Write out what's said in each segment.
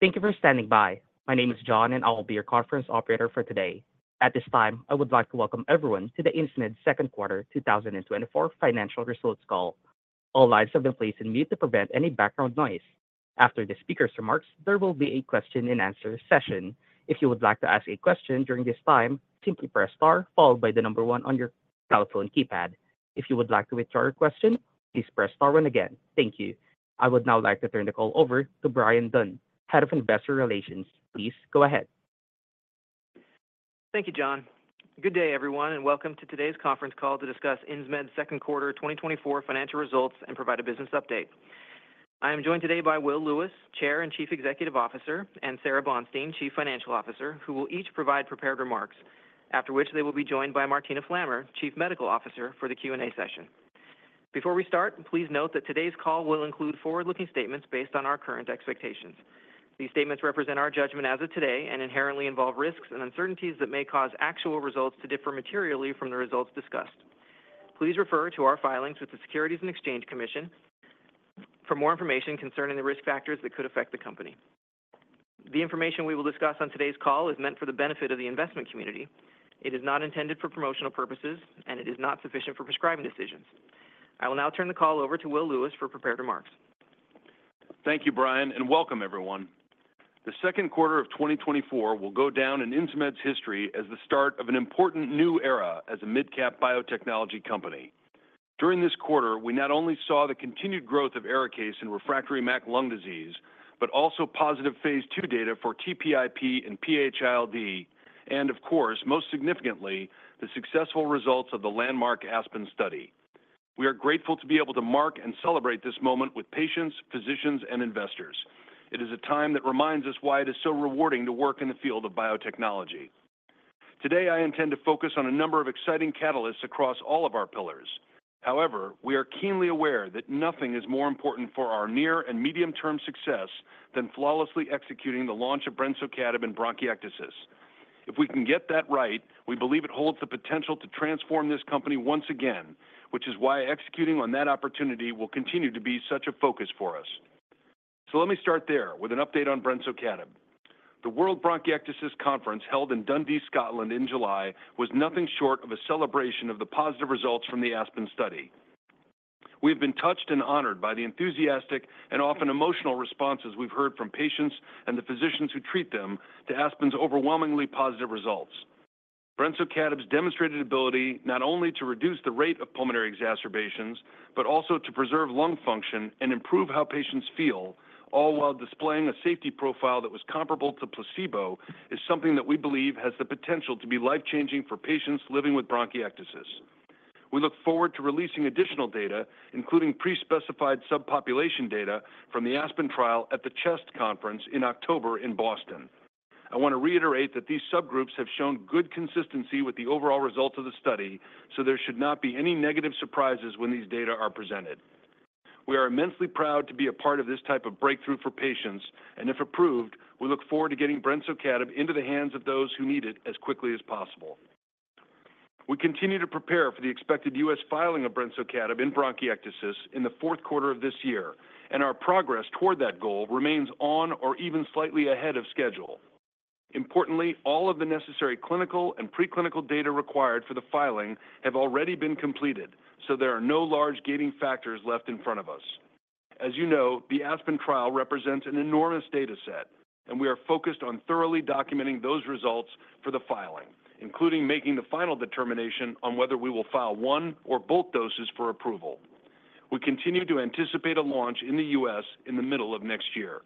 Thank you for standing by. My name is John, and I will be your conference operator for today. At this time, I would like to welcome everyone to the Insmed Second Quarter 2024 Financial Results Call. All lines have been placed on mute to prevent any background noise. After the speaker's remarks, there will be a question-and-answer session. If you would like to ask a question during this time, simply press star, followed by the number one on your telephone keypad. If you would like to withdraw your question, please press star one again. Thank you. I would now like to turn the call over to Bryan Dunn, Head of Investor Relations. Please go ahead. Thank you, John. Good day, everyone, and welcome to today's conference call to discuss Insmed Second Quarter 2024 financial results and provide a business update. I am joined today by Will Lewis, Chair and Chief Executive Officer, and Sara Bonstein, Chief Financial Officer, who will each provide prepared remarks, after which they will be joined by Martina Flammer, Chief Medical Officer, for the Q&A session. Before we start, please note that today's call will include forward-looking statements based on our current expectations. These statements represent our judgment as of today and inherently involve risks and uncertainties that may cause actual results to differ materially from the results discussed. Please refer to our filings with the Securities and Exchange Commission for more information concerning the risk factors that could affect the company. The information we will discuss on today's call is meant for the benefit of the investment community. It is not intended for promotional purposes, and it is not sufficient for prescribing decisions. I will now turn the call over to Will Lewis for prepared remarks. Thank you, Bryan, and welcome, everyone. The second quarter of 2024 will go down in Insmed's history as the start of an important new era as a mid-cap biotechnology company. During this quarter, we not only saw the continued growth of ARIKAYCE in refractory MAC lung disease, but also positive phase 2 data for TPIP and PH-ILD, and, of course, most significantly, the successful results of the landmark ASPEN study. We are grateful to be able to mark and celebrate this moment with patients, physicians, and investors. It is a time that reminds us why it is so rewarding to work in the field of biotechnology. Today, I intend to focus on a number of exciting catalysts across all of our pillars. However, we are keenly aware that nothing is more important for our near and medium-term success than flawlessly executing the launch of brensocatib in bronchiectasis. If we can get that right, we believe it holds the potential to transform this company once again, which is why executing on that opportunity will continue to be such a focus for us. So let me start there with an update on brensocatib. The World Bronchiectasis Conference held in Dundee, Scotland, in July was nothing short of a celebration of the positive results from the ASPEN study. We have been touched and honored by the enthusiastic and often emotional responses we've heard from patients and the physicians who treat them to ASPEN's overwhelmingly positive results. brensocatib's demonstrated ability not only to reduce the rate of pulmonary exacerbations, but also to preserve lung function and improve how patients feel, all while displaying a safety profile that was comparable to placebo, is something that we believe has the potential to be life-changing for patients living with bronchiectasis. We look forward to releasing additional data, including pre-specified subpopulation data from the ASPEN study at the CHEST conference in October in Boston. I want to reiterate that these subgroups have shown good consistency with the overall results of the study, so there should not be any negative surprises when these data are presented. We are immensely proud to be a part of this type of breakthrough for patients, and if approved, we look forward to getting brensocatib into the hands of those who need it as quickly as possible. We continue to prepare for the expected U.S. filing of brensocatib in bronchiectasis in the fourth quarter of this year, and our progress toward that goal remains on or even slightly ahead of schedule. Importantly, all of the necessary clinical and preclinical data required for the filing have already been completed, so there are no large gating factors left in front of us. As you know, the ASPEN trial represents an enormous data set, and we are focused on thoroughly documenting those results for the filing, including making the final determination on whether we will file one or both doses for approval. We continue to anticipate a launch in the U.S. in the middle of next year.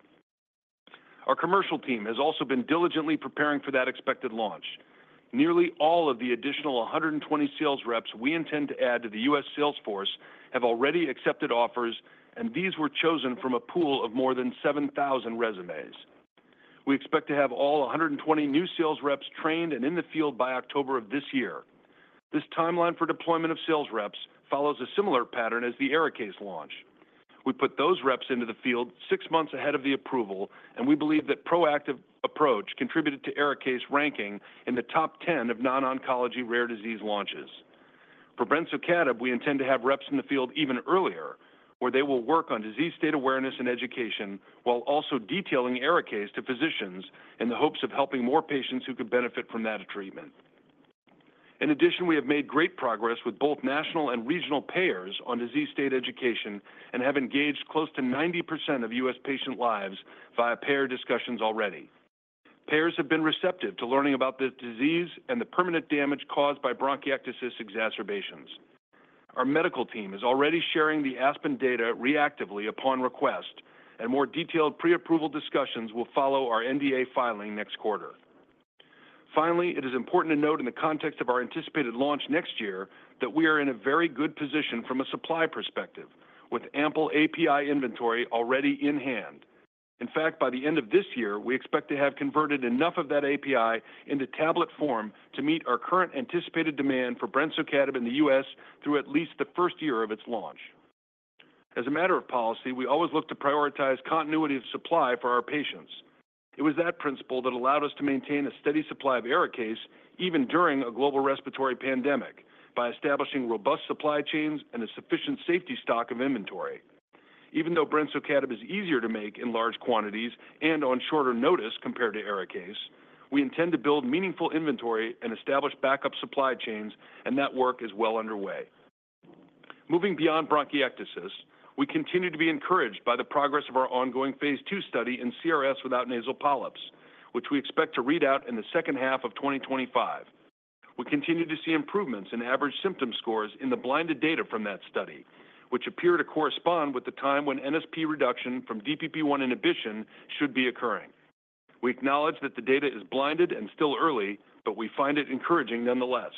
Our commercial team has also been diligently preparing for that expected launch. Nearly all of the additional 120 sales reps we intend to add to the U.S. sales force have already accepted offers, and these were chosen from a pool of more than 7,000 resumes. We expect to have all 120 new sales reps trained and in the field by October of this year. This timeline for deployment of sales reps follows a similar pattern as the ARIKAYCE launch. We put those reps into the field six months ahead of the approval, and we believe that proactive approach contributed to ARIKAYCE ranking in the top 10 of non-oncology rare disease launches. For brensocatib, we intend to have reps in the field even earlier, where they will work on disease state awareness and education while also detailing ARIKAYCE to physicians in the hopes of helping more patients who could benefit from that treatment. In addition, we have made great progress with both national and regional payers on disease state education and have engaged close to 90% of U.S. patient lives via payer discussions already. Payers have been receptive to learning about the disease and the permanent damage caused by bronchiectasis exacerbations. Our medical team is already sharing the ASPEN data reactively upon request, and more detailed pre-approval discussions will follow our NDA filing next quarter. Finally, it is important to note in the context of our anticipated launch next year that we are in a very good position from a supply perspective, with ample API inventory already in hand. In fact, by the end of this year, we expect to have converted enough of that API into tablet form to meet our current anticipated demand for brensocatib in the U.S. through at least the first year of its launch. As a matter of policy, we always look to prioritize continuity of supply for our patients. It was that principle that allowed us to maintain a steady supply of ARIKAYCE even during a global respiratory pandemic by establishing robust supply chains and a sufficient safety stock of inventory. Even though brensocatib is easier to make in large quantities and on shorter notice compared to ARIKAYCE, we intend to build meaningful inventory and establish backup supply chains, and that work is well underway. Moving beyond bronchiectasis, we continue to be encouraged by the progress of our ongoing phase 2 study in CRS without nasal polyps, which we expect to read out in the second half of 2025. We continue to see improvements in average symptom scores in the blinded data from that study, which appear to correspond with the time when NSP reduction from DPP-1 inhibition should be occurring. We acknowledge that the data is blinded and still early, but we find it encouraging nonetheless.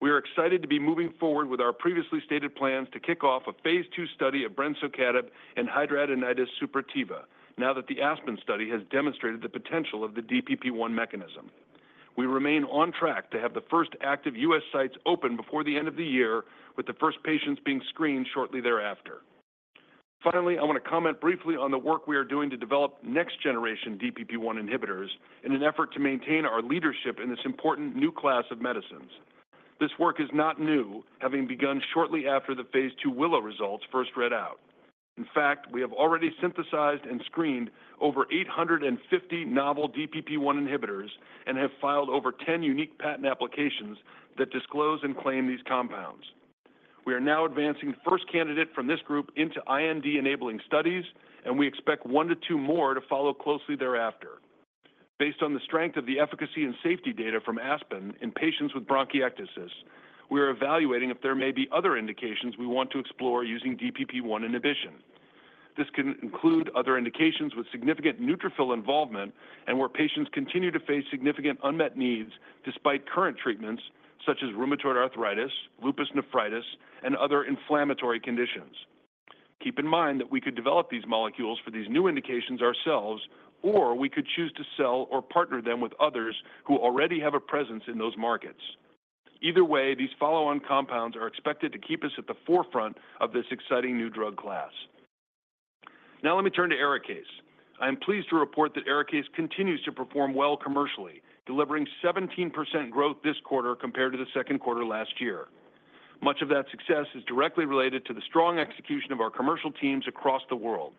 We are excited to be moving forward with our previously stated plans to kick off a phase 2 study of brensocatib and hidradenitis suppurativa, now that the ASPEN study has demonstrated the potential of the DPP-1 mechanism. We remain on track to have the first active U.S. sites open before the end of the year, with the first patients being screened shortly thereafter. Finally, I want to comment briefly on the work we are doing to develop next-generation DPP-1 inhibitors in an effort to maintain our leadership in this important new class of medicines. This work is not new, having begun shortly after the phase 2 WILLOW results first read out. In fact, we have already synthesized and screened over 850 novel DPP-1 inhibitors and have filed over 10 unique patent applications that disclose and claim these compounds. We are now advancing the first candidate from this group into IND-enabling studies, and we expect one to two more to follow closely thereafter. Based on the strength of the efficacy and safety data from ASPEN in patients with bronchiectasis, we are evaluating if there may be other indications we want to explore using DPP-1 inhibition. This can include other indications with significant neutrophil involvement and where patients continue to face significant unmet needs despite current treatments, such as rheumatoid arthritis, lupus nephritis, and other inflammatory conditions. Keep in mind that we could develop these molecules for these new indications ourselves, or we could choose to sell or partner them with others who already have a presence in those markets. Either way, these follow-on compounds are expected to keep us at the forefront of this exciting new drug class. Now, let me turn to ARIKAYCE. I am pleased to report that ARIKAYCE continues to perform well commercially, delivering 17% growth this quarter compared to the second quarter last year. Much of that success is directly related to the strong execution of our commercial teams across the world.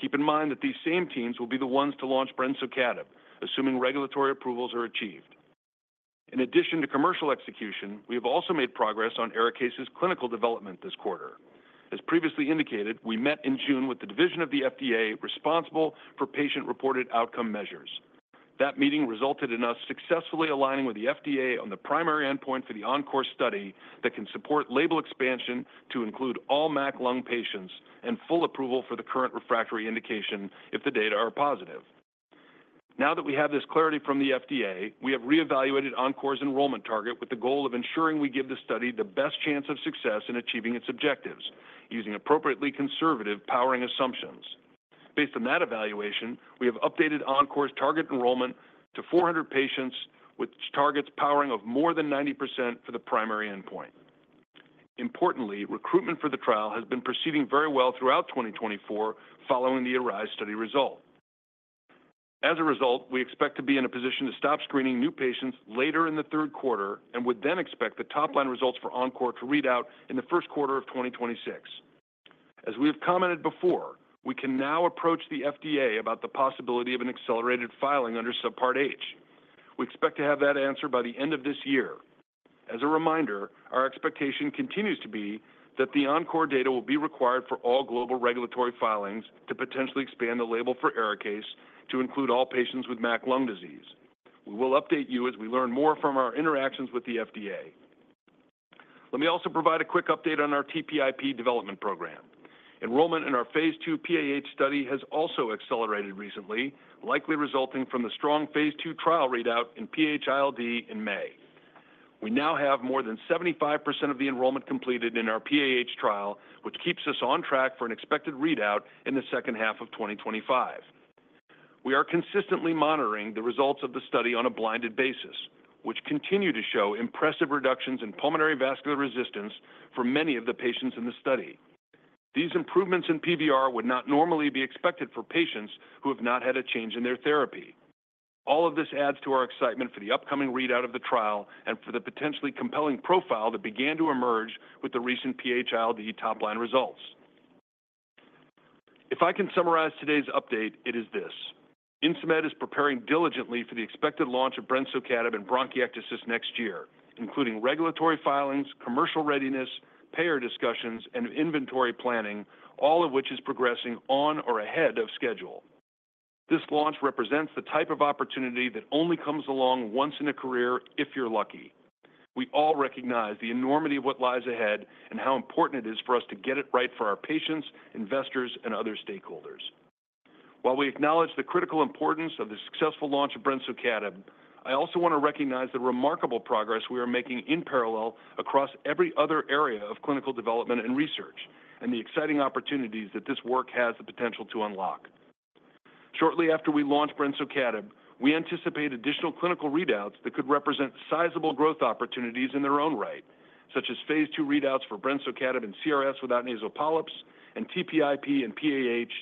Keep in mind that these same teams will be the ones to launch brensocatib, assuming regulatory approvals are achieved. In addition to commercial execution, we have also made progress on ARIKAYCE's clinical development this quarter. As previously indicated, we met in June with the division of the FDA responsible for patient-reported outcome measures. That meeting resulted in us successfully aligning with the FDA on the primary endpoint for the ENCORE study that can support label expansion to include all MAC lung patients and full approval for the current refractory indication if the data are positive. Now that we have this clarity from the FDA, we have reevaluated ENCORE's enrollment target with the goal of ensuring we give the study the best chance of success in achieving its objectives, using appropriately conservative powering assumptions. Based on that evaluation, we have updated ENCORE's target enrollment to 400 patients with target powering of more than 90% for the primary endpoint. Importantly, recruitment for the trial has been proceeding very well throughout 2024 following the ARISE study result. As a result, we expect to be in a position to stop screening new patients later in the third quarter and would then expect the top-line results for ENCORE to read out in the first quarter of 2026. As we have commented before, we can now approach the FDA about the possibility of an accelerated filing under Subpart H. We expect to have that answer by the end of this year. As a reminder, our expectation continues to be that the ENCORE data will be required for all global regulatory filings to potentially expand the label for ARIKAYCE to include all patients with MAC lung disease. We will update you as we learn more from our interactions with the FDA. Let me also provide a quick update on our TPIP development program. Enrollment in our phase 2 PAH study has also accelerated recently, likely resulting from the strong phase 2 trial readout in PH-ILD in May. We now have more than 75% of the enrollment completed in our PAH trial, which keeps us on track for an expected readout in the second half of 2025. We are consistently monitoring the results of the study on a blinded basis, which continue to show impressive reductions in pulmonary vascular resistance for many of the patients in the study. These improvements in PVR would not normally be expected for patients who have not had a change in their therapy. All of this adds to our excitement for the upcoming readout of the trial and for the potentially compelling profile that began to emerge with the recent PH-ILD top line results. If I can summarize today's update, it is this: Insmed is preparing diligently for the expected launch of brensocatib in bronchiectasis next year, including regulatory filings, commercial readiness, payer discussions, and inventory planning, all of which is progressing on or ahead of schedule. This launch represents the type of opportunity that only comes along once in a career if you're lucky. We all recognize the enormity of what lies ahead and how important it is for us to get it right for our patients, investors, and other stakeholders. While we acknowledge the critical importance of the successful launch of brensocatib, I also want to recognize the remarkable progress we are making in parallel across every other area of clinical development and research and the exciting opportunities that this work has the potential to unlock. Shortly after we launch brensocatib, we anticipate additional clinical readouts that could represent sizable growth opportunities in their own right, such as phase 2 readouts for brensocatib in CRS without nasal polyps and TPIP in PAH,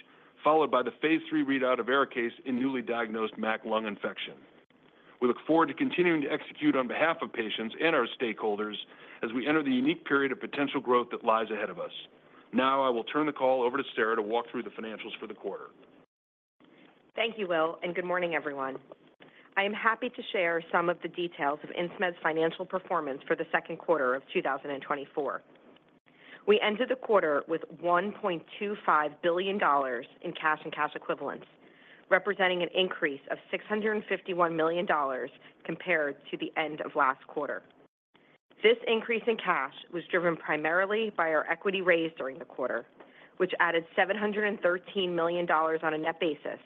followed by the phase 3 readout of ARIKAYCE in newly diagnosed MAC lung disease. We look forward to continuing to execute on behalf of patients and our stakeholders as we enter the unique period of potential growth that lies ahead of us. Now, I will turn the call over to Sara to walk through the financials for the quarter. Thank you, Will, and good morning, everyone. I am happy to share some of the details of Insmed's financial performance for the second quarter of 2024. We ended the quarter with $1.25 billion in cash and cash equivalents, representing an increase of $651 million compared to the end of last quarter. This increase in cash was driven primarily by our equity raised during the quarter, which added $713 million on a net basis,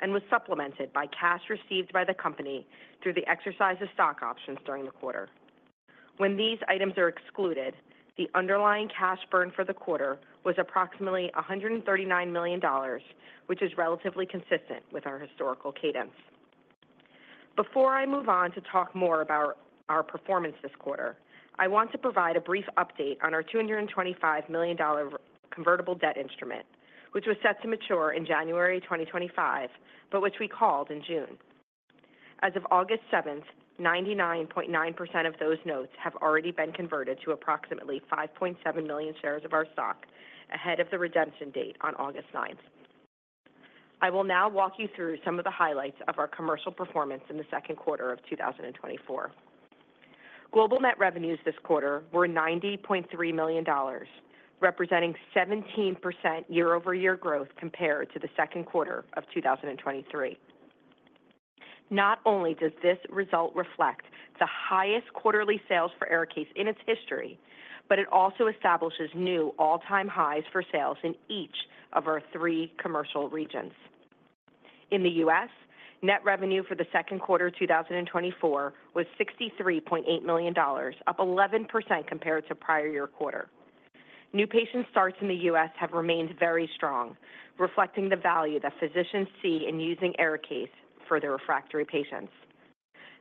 and was supplemented by cash received by the company through the exercise of stock options during the quarter. When these items are excluded, the underlying cash burn for the quarter was approximately $139 million, which is relatively consistent with our historical cadence. Before I move on to talk more about our performance this quarter, I want to provide a brief update on our $225 million convertible debt instrument, which was set to mature in January 2025, but which we called in June. As of August 7, 99.9% of those notes have already been converted to approximately 5.7 million shares of our stock ahead of the redemption date on August 9. I will now walk you through some of the highlights of our commercial performance in the second quarter of 2024. Global net revenues this quarter were $90.3 million, representing 17% year-over-year growth compared to the second quarter of 2023. Not only does this result reflect the highest quarterly sales for ARIKAYCE in its history, but it also establishes new all-time highs for sales in each of our three commercial regions. In the U.S., net revenue for the second quarter of 2024 was $63.8 million, up 11% compared to prior year quarter. New patient starts in the U.S. have remained very strong, reflecting the value that physicians see in using ARIKAYCE for the refractory patients.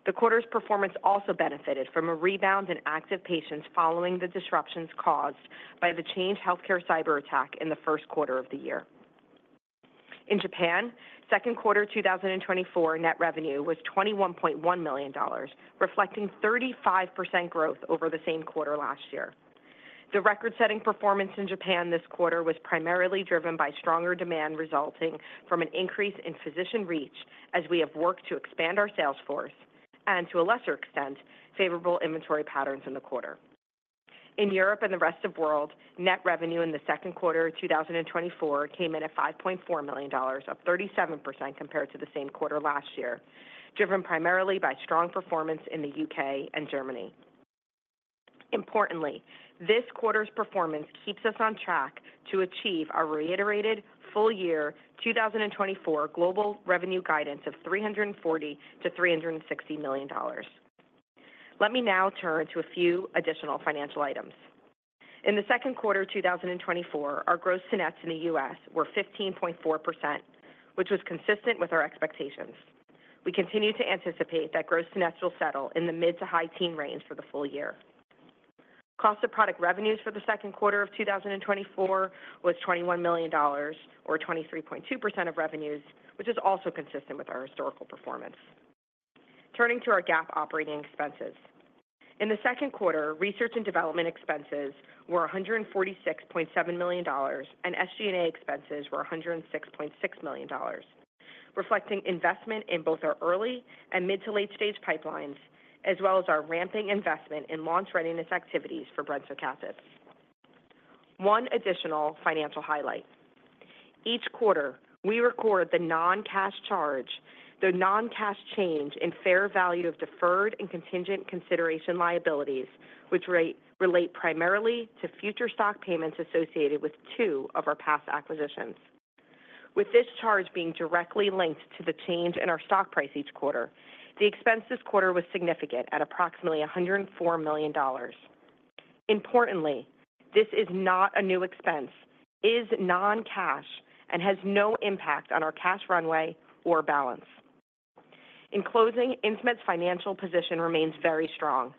The quarter's performance also benefited from a rebound in active patients following the disruptions caused by the Change Healthcare cyber attack in the first quarter of the year. In Japan, second quarter 2024 net revenue was $21.1 million, reflecting 35% growth over the same quarter last year. The record-setting performance in Japan this quarter was primarily driven by stronger demand resulting from an increase in physician reach as we have worked to expand our sales force and, to a lesser extent, favorable inventory patterns in the quarter. In Europe and the rest of the world, net revenue in the second quarter of 2024 came in at $5.4 million, up 37% compared to the same quarter last year, driven primarily by strong performance in the UK and Germany. Importantly, this quarter's performance keeps us on track to achieve our reiterated full year 2024 global revenue guidance of $340-$360 million. Let me now turn to a few additional financial items. In the second quarter of 2024, our gross-to-net in the U.S. were 15.4%, which was consistent with our expectations. We continue to anticipate that gross net will settle in the mid- to high-teens range for the full year. Cost of product revenues for the second quarter of 2024 was $21 million, or 23.2% of revenues, which is also consistent with our historical performance. Turning to our GAAP operating expenses, in the second quarter, research and development expenses were $146.7 million and SG&A expenses were $106.6 million, reflecting investment in both our early and mid- to late-stage pipelines, as well as our ramping investment in launch readiness activities for brensocatib. One additional financial highlight: each quarter, we record the non-cash charge, the non-cash change in fair value of deferred and contingent consideration liabilities, which relate primarily to future stock payments associated with two of our past acquisitions. With this charge being directly linked to the change in our stock price each quarter, the expense this quarter was significant at approximately $104 million. Importantly, this is not a new expense, is non-cash, and has no impact on our cash runway or balance. In closing, Insmed's financial position remains very strong.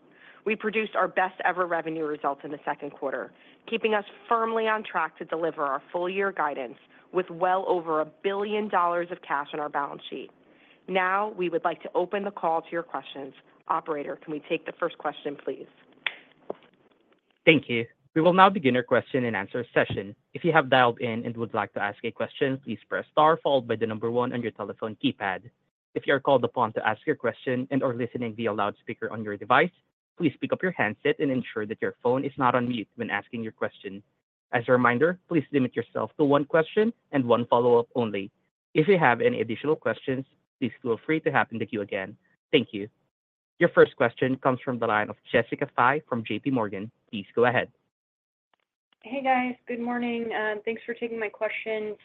We produced our best-ever revenue result in the second quarter, keeping us firmly on track to deliver our full year guidance with well over $1 billion of cash on our balance sheet. Now, we would like to open the call to your questions. Operator, can we take the first question, please? Thank you. We will now begin your question and answer session. If you have dialed in and would like to ask a question, please press star followed by the number one on your telephone keypad. If you are called upon to ask your question and/or listening via loudspeaker on your device, please pick up your handset and ensure that your phone is not on mute when asking your question. As a reminder, please limit yourself to one question and one follow-up only. If you have any additional questions, please feel free to reach out to us again. Thank you. Your first question comes from the line of Jessica Fye from JPMorgan. Please go ahead. Hey, guys. Good morning. Thanks for taking my question.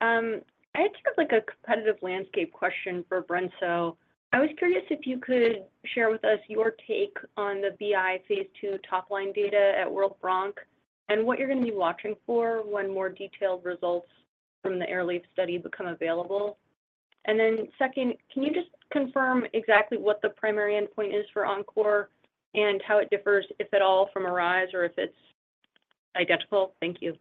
I actually have like a competitive landscape question for brensocatib. I was curious if you could share with us your take on the BI phase 2 top line data at World Bronch and what you're going to be watching for when more detailed results from the Airleaf study become available. And then second, can you just confirm exactly what the primary endpoint is for ENCORE and how it differs, if at all, from ARISE or if it's identical? Thank you.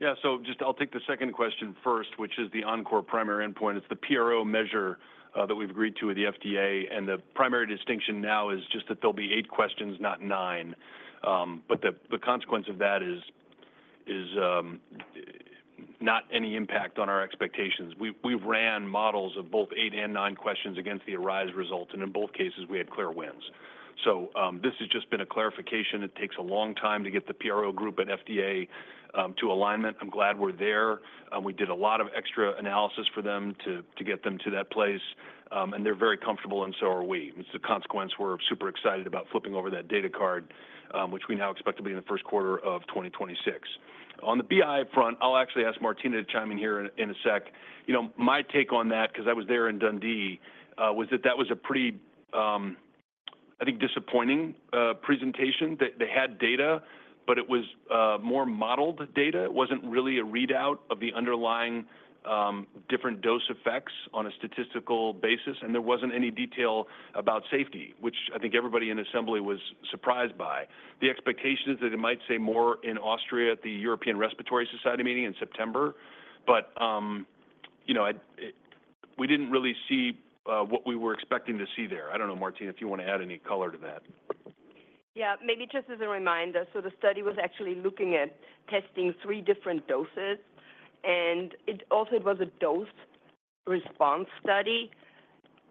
Yeah, so just I'll take the second question first, which is the ENCORE primary endpoint. It's the PRO measure that we've agreed to with the FDA. And the primary distinction now is just that there'll be 8 questions, not 9. But the consequence of that is not any impact on our expectations. We ran models of both 8 and 9 questions against the ARISE result, and in both cases, we had clear wins. So this has just been a clarification. It takes a long time to get the PRO group at FDA to alignment. I'm glad we're there. We did a lot of extra analysis for them to get them to that place, and they're very comfortable, and so are we. It's a consequence we're super excited about flipping over that data card, which we now expect to be in the first quarter of 2026. On the BI front, I'll actually ask Martina to chime in here in a sec. My take on that, because I was there in Dundee, was that that was a pretty, I think, disappointing presentation. They had data, but it was more modeled data. It wasn't really a readout of the underlying different dose effects on a statistical basis, and there wasn't any detail about safety, which I think everybody in assembly was surprised by. The expectation is that it might say more in Austria at the European Respiratory Society meeting in September, but we didn't really see what we were expecting to see there. I don't know, Martina, if you want to add any color to that. Yeah, maybe just as a reminder, so the study was actually looking at testing three different doses, and it also was a dose response study.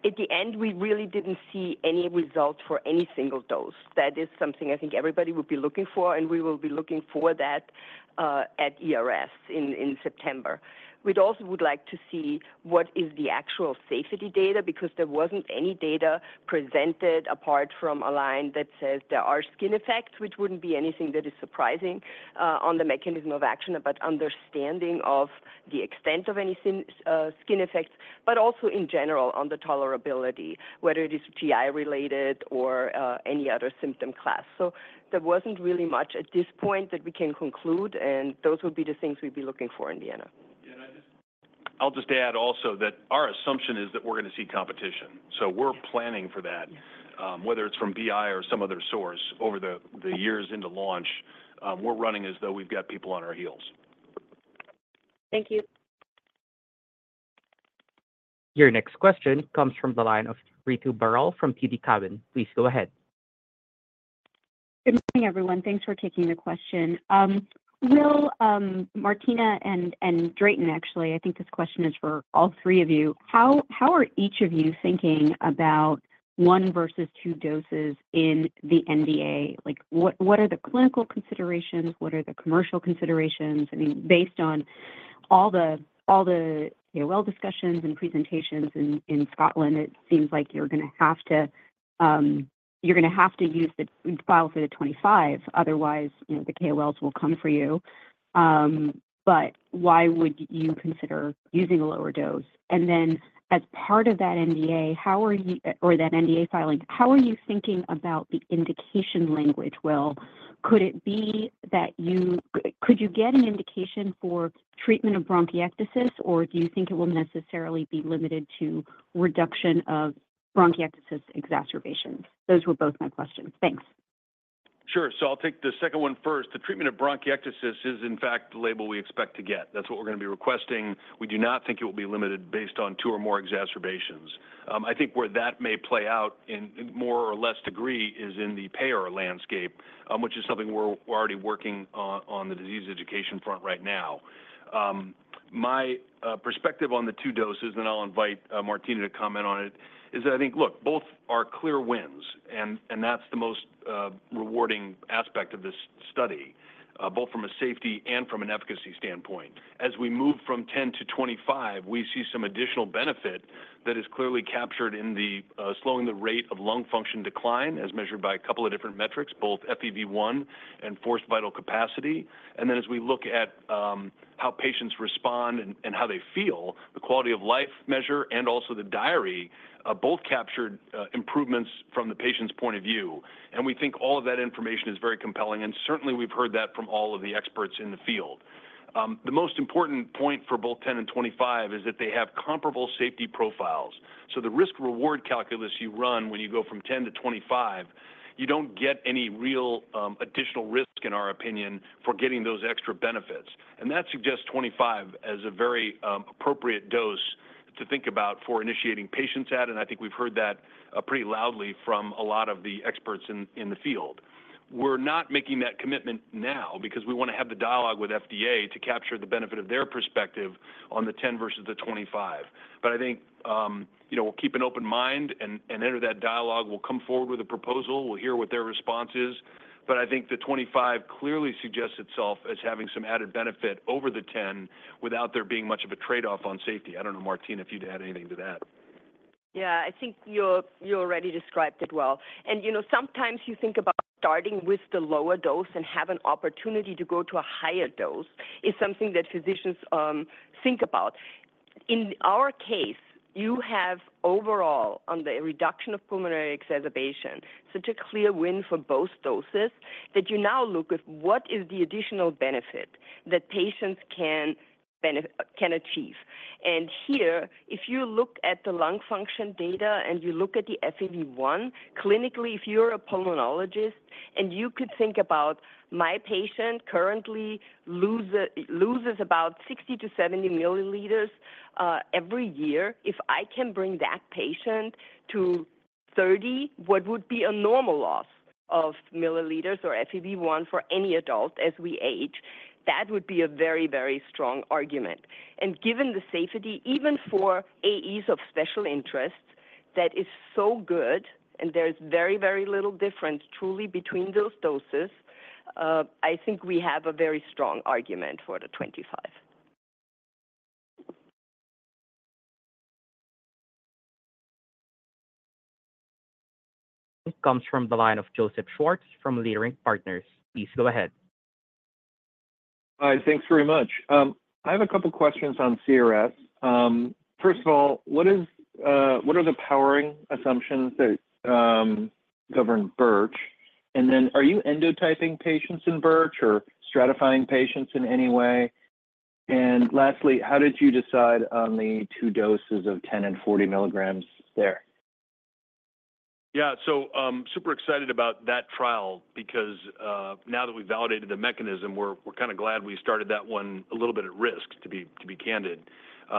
At the end, we really didn't see any results for any single dose. That is something I think everybody would be looking for, and we will be looking for that at ERS in September. We'd also like to see what is the actual safety data, because there wasn't any data presented apart from a line that says there are skin effects, which wouldn't be anything that is surprising on the mechanism of action, but understanding of the extent of any skin effects, but also in general on the tolerability, whether it is GI-related or any other symptom class. So there wasn't really much at this point that we can conclude, and those would be the things we'd be looking for, and then. I'll just add also that our assumption is that we're going to see competition. So we're planning for that, whether it's from BI or some other source over the years into launch. We're running as though we've got people on our heels. Thank you. Your next question comes from the line of Ritu Baral from TD Cowen. Please go ahead. Good morning, everyone. Thanks for taking the question. Will, Martina and Drayton, actually, I think this question is for all three of you. How are each of you thinking about one versus two doses in the NDA? What are the clinical considerations? What are the commercial considerations? I mean, based on all the KOL discussions and presentations in Scotland, it seems like you're going to have to use the file for the 25. Otherwise, the KOLs will come for you. But why would you consider using a lower dose? And then, as part of that NDA, or that NDA filing, how are you thinking about the indication language, Will? Could it be that you could you get an indication for treatment of bronchiectasis, or do you think it will necessarily be limited to reduction of bronchiectasis exacerbation? Those were both my questions. Thanks. Sure. So I'll take the second one first. The treatment of bronchiectasis is, in fact, the label we expect to get. That's what we're going to be requesting. We do not think it will be limited based on two or more exacerbations. I think where that may play out in more or less degree is in the payer landscape, which is something we're already working on the disease education front right now. My perspective on the two doses, and I'll invite Martina to comment on it, is that I think, look, both are clear wins, and that's the most rewarding aspect of this study, both from a safety and from an efficacy standpoint. As we move from 10 to 25, we see some additional benefit that is clearly captured in slowing the rate of lung function decline, as measured by a couple of different metrics, both FEV1 and forced vital capacity. And then, as we look at how patients respond and how they feel, the quality of life measure and also the diary, both captured improvements from the patient's point of view. And we think all of that information is very compelling, and certainly we've heard that from all of the experts in the field. The most important point for both 10 and 25 is that they have comparable safety profiles. So the risk-reward calculus you run when you go from 10 to 25, you don't get any real additional risk, in our opinion, for getting those extra benefits. And that suggests 25 as a very appropriate dose to think about for initiating patients at, and I think we've heard that pretty loudly from a lot of the experts in the field. We're not making that commitment now because we want to have the dialogue with FDA to capture the benefit of their perspective on the 10 versus the 25. But I think we'll keep an open mind and enter that dialogue. We'll come forward with a proposal. We'll hear what their response is. But I think the 25 clearly suggests itself as having some added benefit over the 10 without there being much of a trade-off on safety. I don't know, Martina, if you'd add anything to that. Yeah, I think you already described it well. And sometimes you think about starting with the lower dose and have an opportunity to go to a higher dose is something that physicians think about. In our case, you have overall on the reduction of pulmonary exacerbation, such a clear win for both doses that you now look at what is the additional benefit that patients can achieve. And here, if you look at the lung function data and you look at the FEV1, clinically, if you're a pulmonologist and you could think about my patient currently loses about 60-70 milliliters every year, if I can bring that patient to 30, what would be a normal loss of milliliters or FEV1 for any adult as we age, that would be a very, very strong argument. And given the safety, even for AEs of special interest, that is so good, and there's very, very little difference, truly, between those doses, I think we have a very strong argument for the 25. It comes from the line of Joseph Schwartz from Leerink Partners. Please go ahead. Thanks very much. I have a couple of questions on CRS. First of all, what are the powering assumptions that govern it? And then, are you endotyping patients in it or stratifying patients in any way? And lastly, how did you decide on the two doses of 10 and 40 milligrams there? Yeah, so super excited about that trial because now that we've validated the mechanism, we're kind of glad we started that one a little bit at risk, to be candid.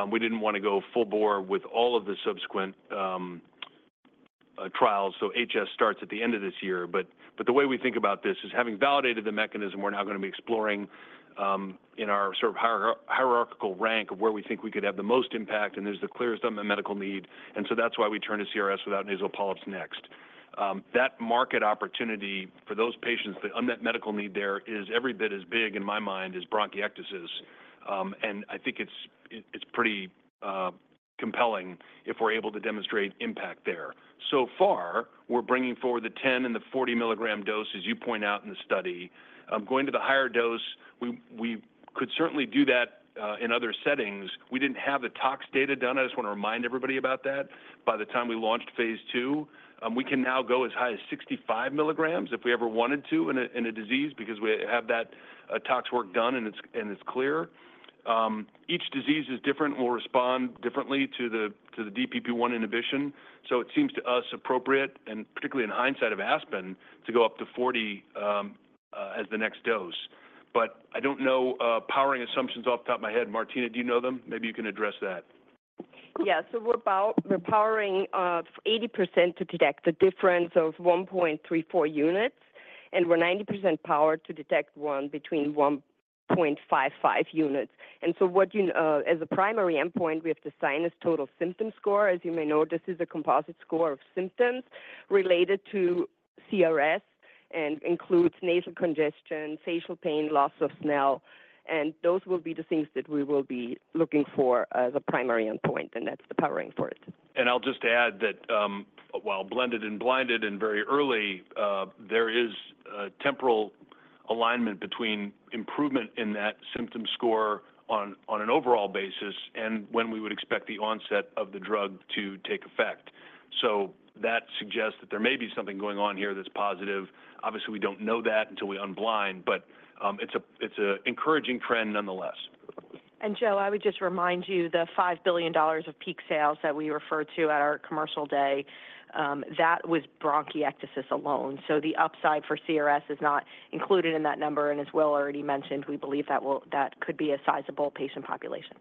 We didn't want to go full bore with all of the subsequent trials. So HS starts at the end of this year. But the way we think about this is, having validated the mechanism, we're now going to be exploring in our sort of hierarchical rank of where we think we could have the most impact, and there's the clearest unmet medical need. And so that's why we turn to CRS without nasal polyps next. That market opportunity for those patients, the unmet medical need there is every bit as big, in my mind, as bronchiectasis. And I think it's pretty compelling if we're able to demonstrate impact there. So far, we're bringing forward the 10 and the 40 milligram dose, as you point out in the study. Going to the higher dose, we could certainly do that in other settings. We didn't have the tox data done. I just want to remind everybody about that. By the time we launched phase 2, we can now go as high as 65 milligrams if we ever wanted to in a disease because we have that tox work done and it's clear. Each disease is different and will respond differently to the DPP-1 inhibition. So it seems to us appropriate, and particularly in hindsight of ASPEN to go up to 40 as the next dose. But I don't know powering assumptions off the top of my head. Martina, do you know them? Maybe you can address that. Yeah, so we're powering 80% to detect the difference of 1.34 units, and we're 90% powered to detect one between 1.55 units. And so as a primary endpoint, we have to assign this total symptom score. As you may know, this is a composite score of symptoms related to CRS and includes nasal congestion, facial pain, loss of smell. And those will be the things that we will be looking for as a primary endpoint, and that's the powering for it. And I'll just add that while blended and blinded and very early, there is temporal alignment between improvement in that symptom score on an overall basis and when we would expect the onset of the drug to take effect. So that suggests that there may be something going on here that's positive. Obviously, we don't know that until we unblind, but it's an encouraging trend nonetheless. And Joe, I would just remind you the $5 billion of peak sales that we referred to at our commercial day, that was bronchiectasis alone. So the upside for CRS is not included in that number. And as Will already mentioned, we believe that could be a sizable patient population.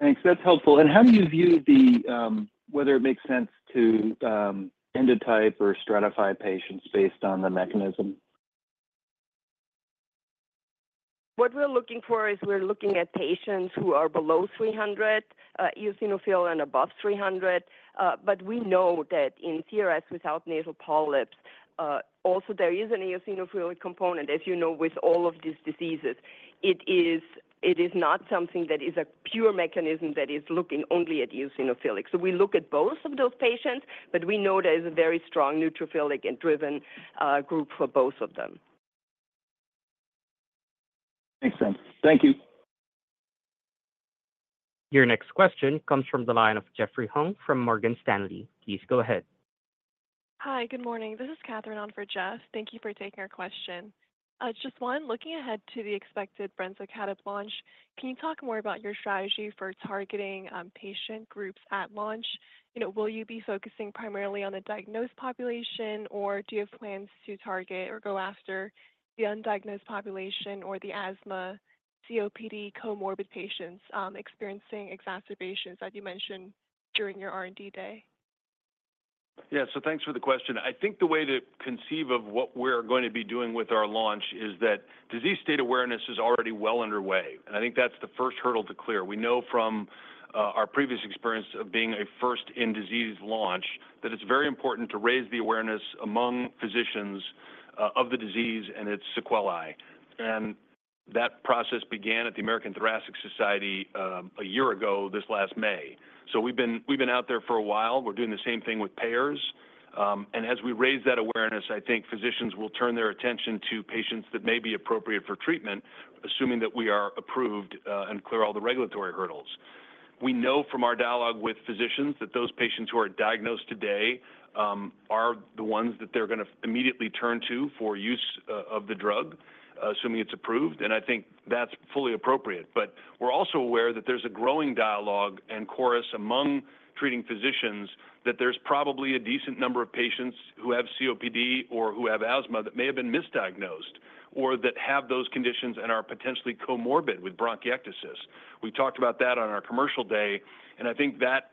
Thanks. That's helpful. And how do you view whether it makes sense to endotype or stratify patients based on the mechanism? What we're looking for is we're looking at patients who are below 300 eosinophil and above 300. But we know that in CRS without nasal polyps, also there is an eosinophilic component, as you know, with all of these diseases. It is not something that is a pure mechanism that is looking only at eosinophilic. So we look at both of those patients, but we know there is a very strong neutrophilic and driven group for both of them. Makes sense. Thank you. Your next question comes from the line of Jeffrey Hung from Morgan Stanley. Please go ahead. Hi, good morning. This is Catherine on for Jeff. Thank you for taking our question. Just one, looking ahead to the expected brensocatib launch, can you talk more about your strategy for targeting patient groups at launch? Will you be focusing primarily on the diagnosed population, or do you have plans to target or go after the undiagnosed population or the asthma, COPD, comorbid patients experiencing exacerbations, as you mentioned, during your R&D day? Yeah, so thanks for the question. I think the way to conceive of what we're going to be doing with our launch is that disease state awareness is already well underway. And I think that's the first hurdle to clear. We know from our previous experience of being a first-in-disease launch that it's very important to raise the awareness among physicians of the disease and its sequelae. And that process began at the American Thoracic Society a year ago this last May. So we've been out there for a while. We're doing the same thing with payers. And as we raise that awareness, I think physicians will turn their attention to patients that may be appropriate for treatment, assuming that we are approved and clear all the regulatory hurdles. We know from our dialogue with physicians that those patients who are diagnosed today are the ones that they're going to immediately turn to for use of the drug, assuming it's approved. And I think that's fully appropriate. But we're also aware that there's a growing dialogue and chorus among treating physicians that there's probably a decent number of patients who have COPD or who have asthma that may have been misdiagnosed or that have those conditions and are potentially comorbid with bronchiectasis. We talked about that on our commercial day, and I think that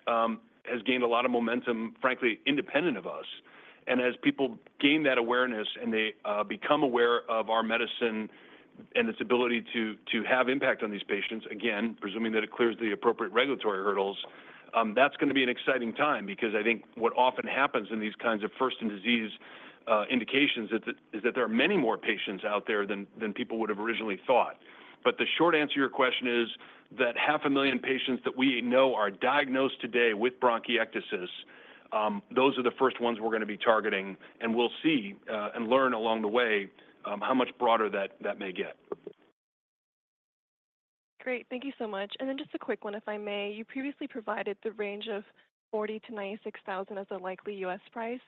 has gained a lot of momentum, frankly, independent of us. As people gain that awareness and they become aware of our medicine and its ability to have impact on these patients, again, presuming that it clears the appropriate regulatory hurdles, that's going to be an exciting time because I think what often happens in these kinds of first-in-disease indications is that there are many more patients out there than people would have originally thought. But the short answer to your question is that half a million patients that we know are diagnosed today with bronchiectasis, those are the first ones we're going to be targeting. And we'll see and learn along the way how much broader that may get. Great. Thank you so much. And then just a quick one, if I may. You previously provided the range of $40-$96,000 as a likely U.S. price.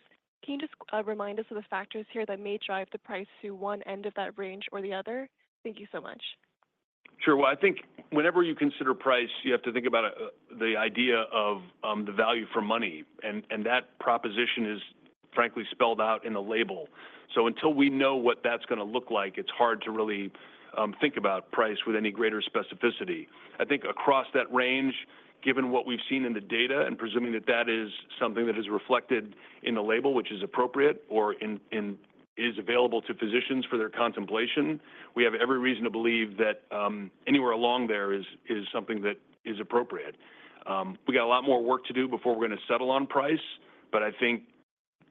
Can you just remind us of the factors here that may drive the price to one end of that range or the other? Thank you so much. Sure. Well, I think whenever you consider price, you have to think about the idea of the value for money. And that proposition is, frankly, spelled out in the label. So until we know what that's going to look like, it's hard to really think about price with any greater specificity. I think across that range, given what we've seen in the data and presuming that that is something that is reflected in the label, which is appropriate or is available to physicians for their contemplation, we have every reason to believe that anywhere along there is something that is appropriate. We got a lot more work to do before we're going to settle on price. But I think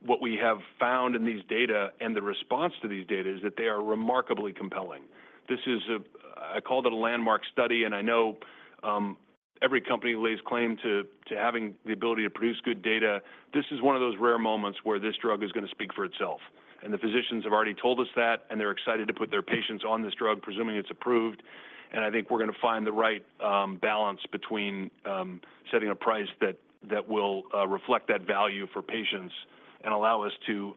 what we have found in these data and the response to these data is that they are remarkably compelling. I called it a landmark study, and I know every company who lays claim to having the ability to produce good data, this is one of those rare moments where this drug is going to speak for itself. And the physicians have already told us that, and they're excited to put their patients on this drug, presuming it's approved. And I think we're going to find the right balance between setting a price that will reflect that value for patients and allow us to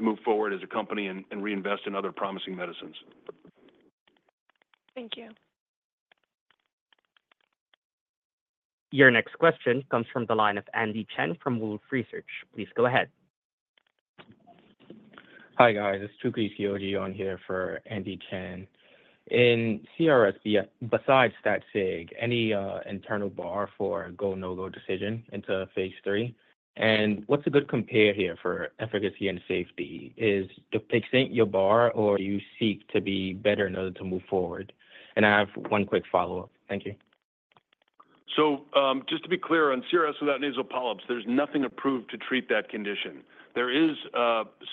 move forward as a company and reinvest in other promising medicines. Thank you. Your next question comes from the line of Andy Chen from Wolfe Research. Please go ahead. Hi, guys. It's [Shuji Tioji] on here for Andy Chen. In CRS, besides that SIG, any internal bar for go/no-go decision into phase 3? And what's a good compare here for efficacy and safety? Is the pivotal your bar, or do you seek to be better in order to move forward? And I have one quick follow-up. Thank you. So just to be clear, on CRS without nasal polyps, there's nothing approved to treat that condition. There is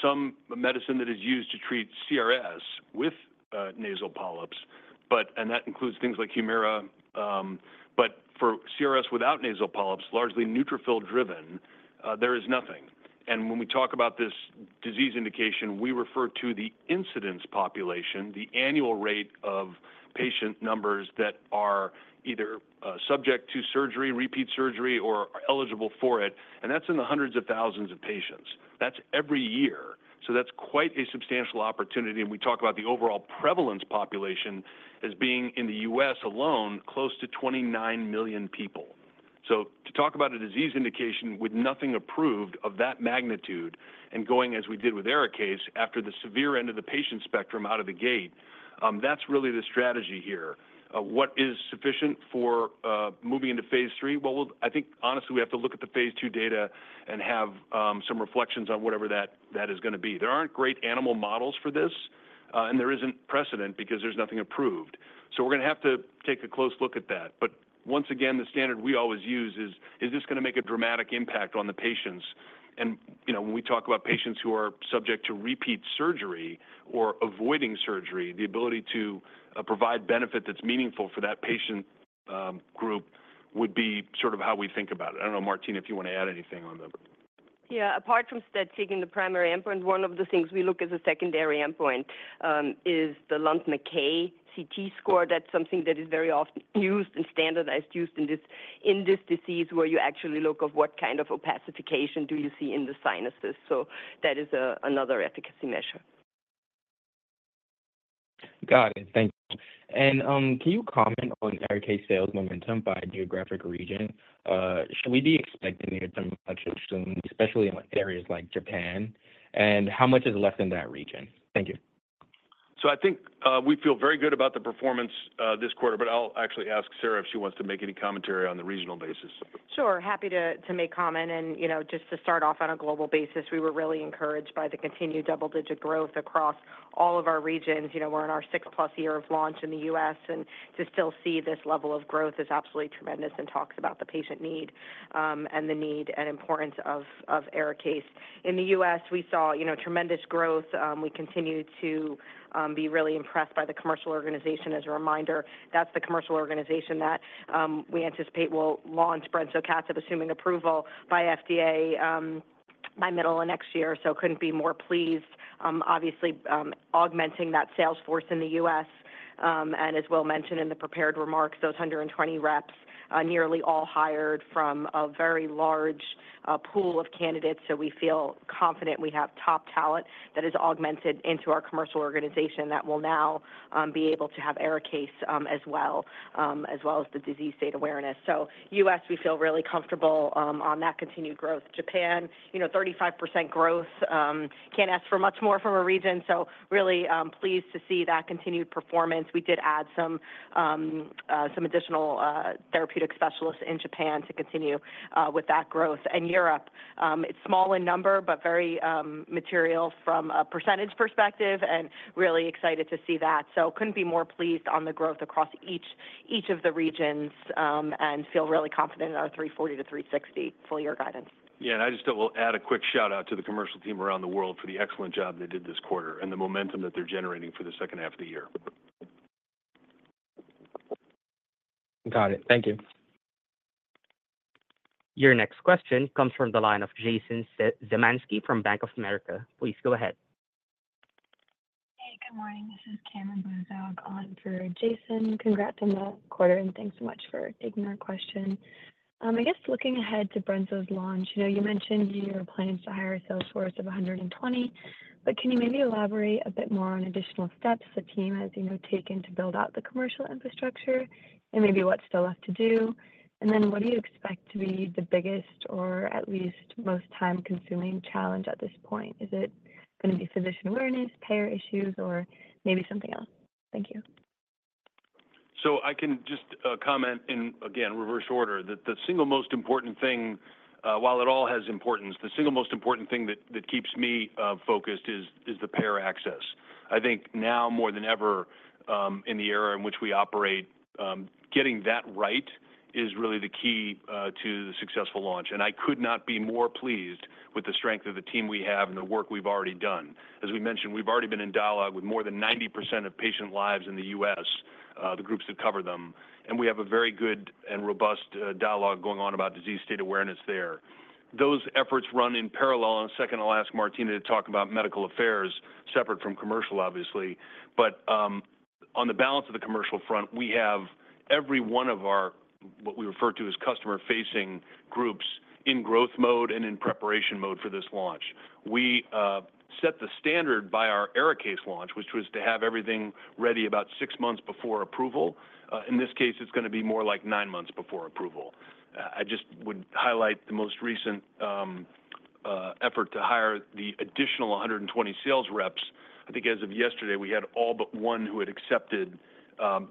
some medicine that is used to treat CRS with nasal polyps, and that includes things like Humira. But for CRS without nasal polyps, largely neutrophil-driven, there is nothing. And when we talk about this disease indication, we refer to the incidence population, the annual rate of patient numbers that are either subject to surgery, repeat surgery, or are eligible for it. And that's in the hundreds of thousands of patients. That's every year. So that's quite a substantial opportunity. We talk about the overall prevalence population as being, in the U.S. alone, close to 29 million people. To talk about a disease indication with nothing approved of that magnitude and going as we did with ARIKAYCE after the severe end of the patient spectrum out of the gate, that's really the strategy here. What is sufficient for moving into phase 3? Well, I think, honestly, we have to look at the phase 2 data and have some reflections on whatever that is going to be. There aren't great animal models for this, and there isn't precedent because there's nothing approved. We're going to have to take a close look at that. But once again, the standard we always use is, is this going to make a dramatic impact on the patients? And when we talk about patients who are subject to repeat surgery or avoiding surgery, the ability to provide benefit that's meaningful for that patient group would be sort of how we think about it. I don't know, Martina, if you want to add anything on them. Yeah. Apart from that, taking the primary endpoint, one of the things we look at as a secondary endpoint is the Lund-Mackay CT score. That's something that is very often used and standardized in this disease where you actually look at what kind of opacification do you see in the sinuses. So that is another efficacy measure. Got it. Thanks. And can you comment on ARIKAYCE sales momentum by geographic region? Should we be expecting it to take off soon, especially in areas like Japan? And how much is left in that region? Thank you. So I think we feel very good about the performance this quarter, but I'll actually ask Sara if she wants to make any commentary on the regional basis. Sure. Happy to make comment. And just to start off on a global basis, we were really encouraged by the continued double-digit growth across all of our regions. We're in our six-plus year of launch in the U.S., and to still see this level of growth is absolutely tremendous and talks about the patient need and the need and importance of ARIKAYCE. In the U.S., we saw tremendous growth. We continue to be really impressed by the commercial organization as a reminder. That's the commercial organization that we anticipate will launch brensocatib, assuming approval by FDA by middle of next year. So couldn't be more pleased, obviously, augmenting that sales force in the U.S. As Will mentioned in the prepared remarks, those 120 reps, nearly all hired from a very large pool of candidates. We feel confident we have top talent that is augmented into our commercial organization that will now be able to have ARIKAYCE as well, as well as the disease state awareness. U.S., we feel really comfortable on that continued growth. Japan, 35% growth. Can't ask for much more from a region. Really pleased to see that continued performance. We did add some additional therapeutic specialists in Japan to continue with that growth. Europe, it's small in number, but very material from a percentage perspective and really excited to see that. Couldn't be more pleased on the growth across each of the regions and feel really confident in our $340-$360 full year guidance. Yeah. And I just will add a quick shout-out to the commercial team around the world for the excellent job they did this quarter and the momentum that they're generating for the second half of the year. Got it. Thank you. Your next question comes from the line of Jason Zemansky from Bank of America. Please go ahead. Hey, good morning. This is Kim subbing for Jason. Congrats on that quarter, and thanks so much for taking our question. I guess looking ahead to brensocatib's launch, you mentioned you were planning to hire a sales force of 120, but can you maybe elaborate a bit more on additional steps the team, as you know, taken to build out the commercial infrastructure and maybe what's still left to do? And then what do you expect to be the biggest or at least most time-consuming challenge at this point? Is it going to be physician awareness, payer issues, or maybe something else? Thank you. So I can just comment in, again, reverse order, that the single most important thing, while it all has importance, the single most important thing that keeps me focused is the payer access. I think now more than ever in the era in which we operate, getting that right is really the key to the successful launch. And I could not be more pleased with the strength of the team we have and the work we've already done. As we mentioned, we've already been in dialogue with more than 90% of patient lives in the U.S., the groups that cover them. And we have a very good and robust dialogue going on about disease state awareness there. Those efforts run in parallel. Second, I'll ask Martina to talk about medical affairs separate from commercial, obviously. But on the balance of the commercial front, we have every one of our what we refer to as customer-facing groups in growth mode and in preparation mode for this launch. We set the standard by our ARIKAYCE launch, which was to have everything ready about 6 months before approval. In this case, it's going to be more like 9 months before approval. I just would highlight the most recent effort to hire the additional 120 sales reps. I think as of yesterday, we had all but one who had accepted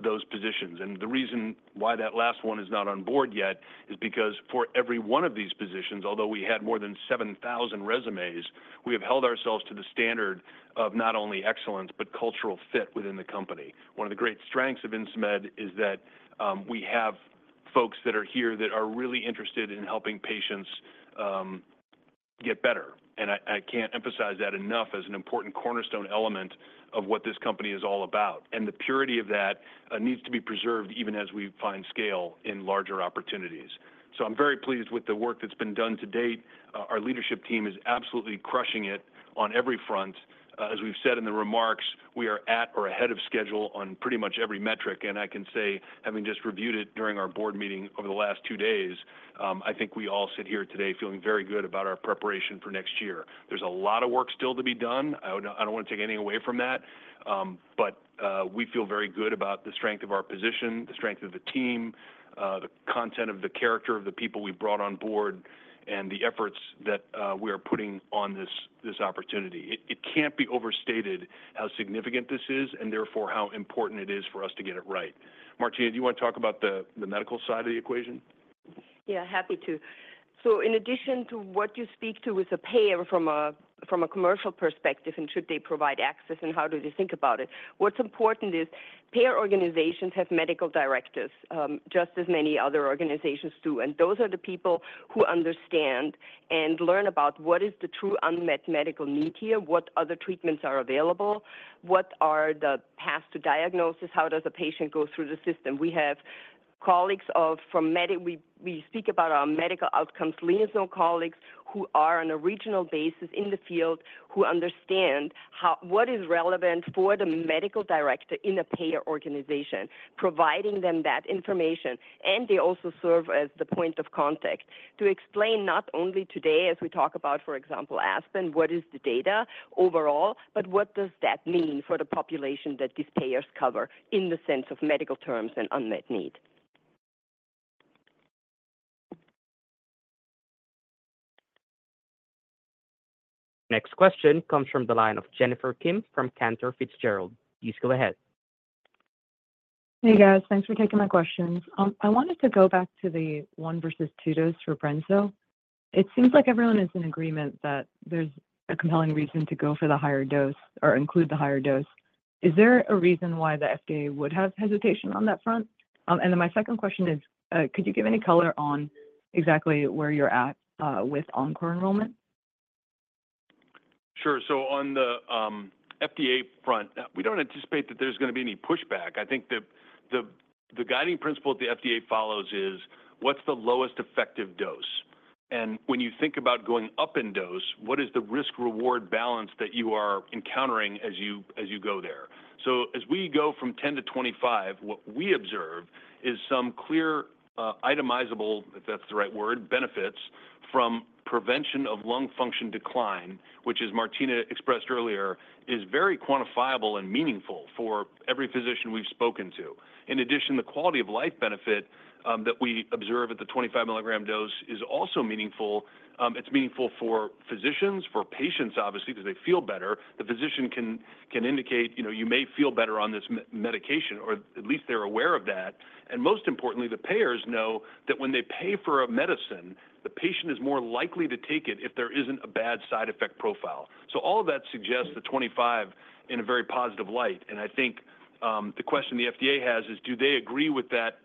those positions. The reason why that last one is not on board yet is because for every one of these positions, although we had more than 7,000 resumes, we have held ourselves to the standard of not only excellence, but cultural fit within the company. One of the great strengths of Insmed is that we have folks that are here that are really interested in helping patients get better. I can't emphasize that enough as an important cornerstone element of what this company is all about. The purity of that needs to be preserved even as we find scale in larger opportunities. I'm very pleased with the work that's been done to date. Our leadership team is absolutely crushing it on every front. As we've said in the remarks, we are at or ahead of schedule on pretty much every metric. I can say, having just reviewed it during our board meeting over the last two days, I think we all sit here today feeling very good about our preparation for next year. There's a lot of work still to be done. I don't want to take anything away from that. But we feel very good about the strength of our position, the strength of the team, the content of the character of the people we brought on board, and the efforts that we are putting on this opportunity. It can't be overstated how significant this is and therefore how important it is for us to get it right. Martina, do you want to talk about the medical side of the equation? Yeah, happy to. So in addition to what you speak to with the payer from a commercial perspective and should they provide access and how do they think about it, what's important is payer organizations have medical directors just as many other organizations do. And those are the people who understand and learn about what is the true unmet medical need here, what other treatments are available, what are the paths to diagnosis, how does a patient go through the system. We have colleagues from Medical. We speak about our medical outcomes, liaison colleagues who are on a regional basis in the field who understand what is relevant for the medical director in a payer organization, providing them that information. They also serve as the point of contact to explain not only today as we talk about, for example, ASPEN, what is the data overall, but what does that mean for the population that these payers cover in the sense of medical terms and unmet need. Next question comes from the line of Jennifer Kim from Cantor Fitzgerald. Please go ahead. Hey, guys. Thanks for taking my questions. I wanted to go back to the one versus two dose for brensocatib though. It seems like everyone is in agreement that there's a compelling reason to go for the higher dose or include the higher dose. Is there a reason why the FDA would have hesitation on that front? And then my second question is, could you give any color on exactly where you're at with encore enrollment? Sure. On the FDA front, we don't anticipate that there's going to be any pushback. I think the guiding principle that the FDA follows is what's the lowest effective dose? And when you think about going up in dose, what is the risk-reward balance that you are encountering as you go there? As we go from 10 to 25, what we observe is some clear itemizable, if that's the right word, benefits from prevention of lung function decline, which, as Martina expressed earlier, is very quantifiable and meaningful for every physician we've spoken to. In addition, the quality of life benefit that we observe at the 25-milligram dose is also meaningful. It's meaningful for physicians, for patients, obviously, because they feel better. The physician can indicate, "You may feel better on this medication," or at least they're aware of that. Most importantly, the payers know that when they pay for a medicine, the patient is more likely to take it if there isn't a bad side effect profile. All of that suggests the 25 in a very positive light. I think the question the FDA has is, do they agree with that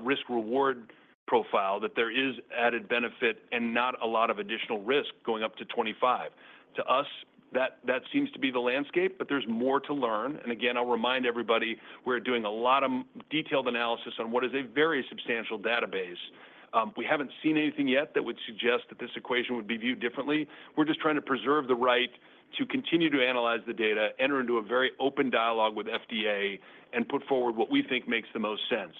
risk-reward profile that there is added benefit and not a lot of additional risk going up to 25? To us, that seems to be the landscape, but there's more to learn. Again, I'll remind everybody we're doing a lot of detailed analysis on what is a very substantial database. We haven't seen anything yet that would suggest that this equation would be viewed differently. We're just trying to preserve the right to continue to analyze the data, enter into a very open dialogue with FDA, and put forward what we think makes the most sense.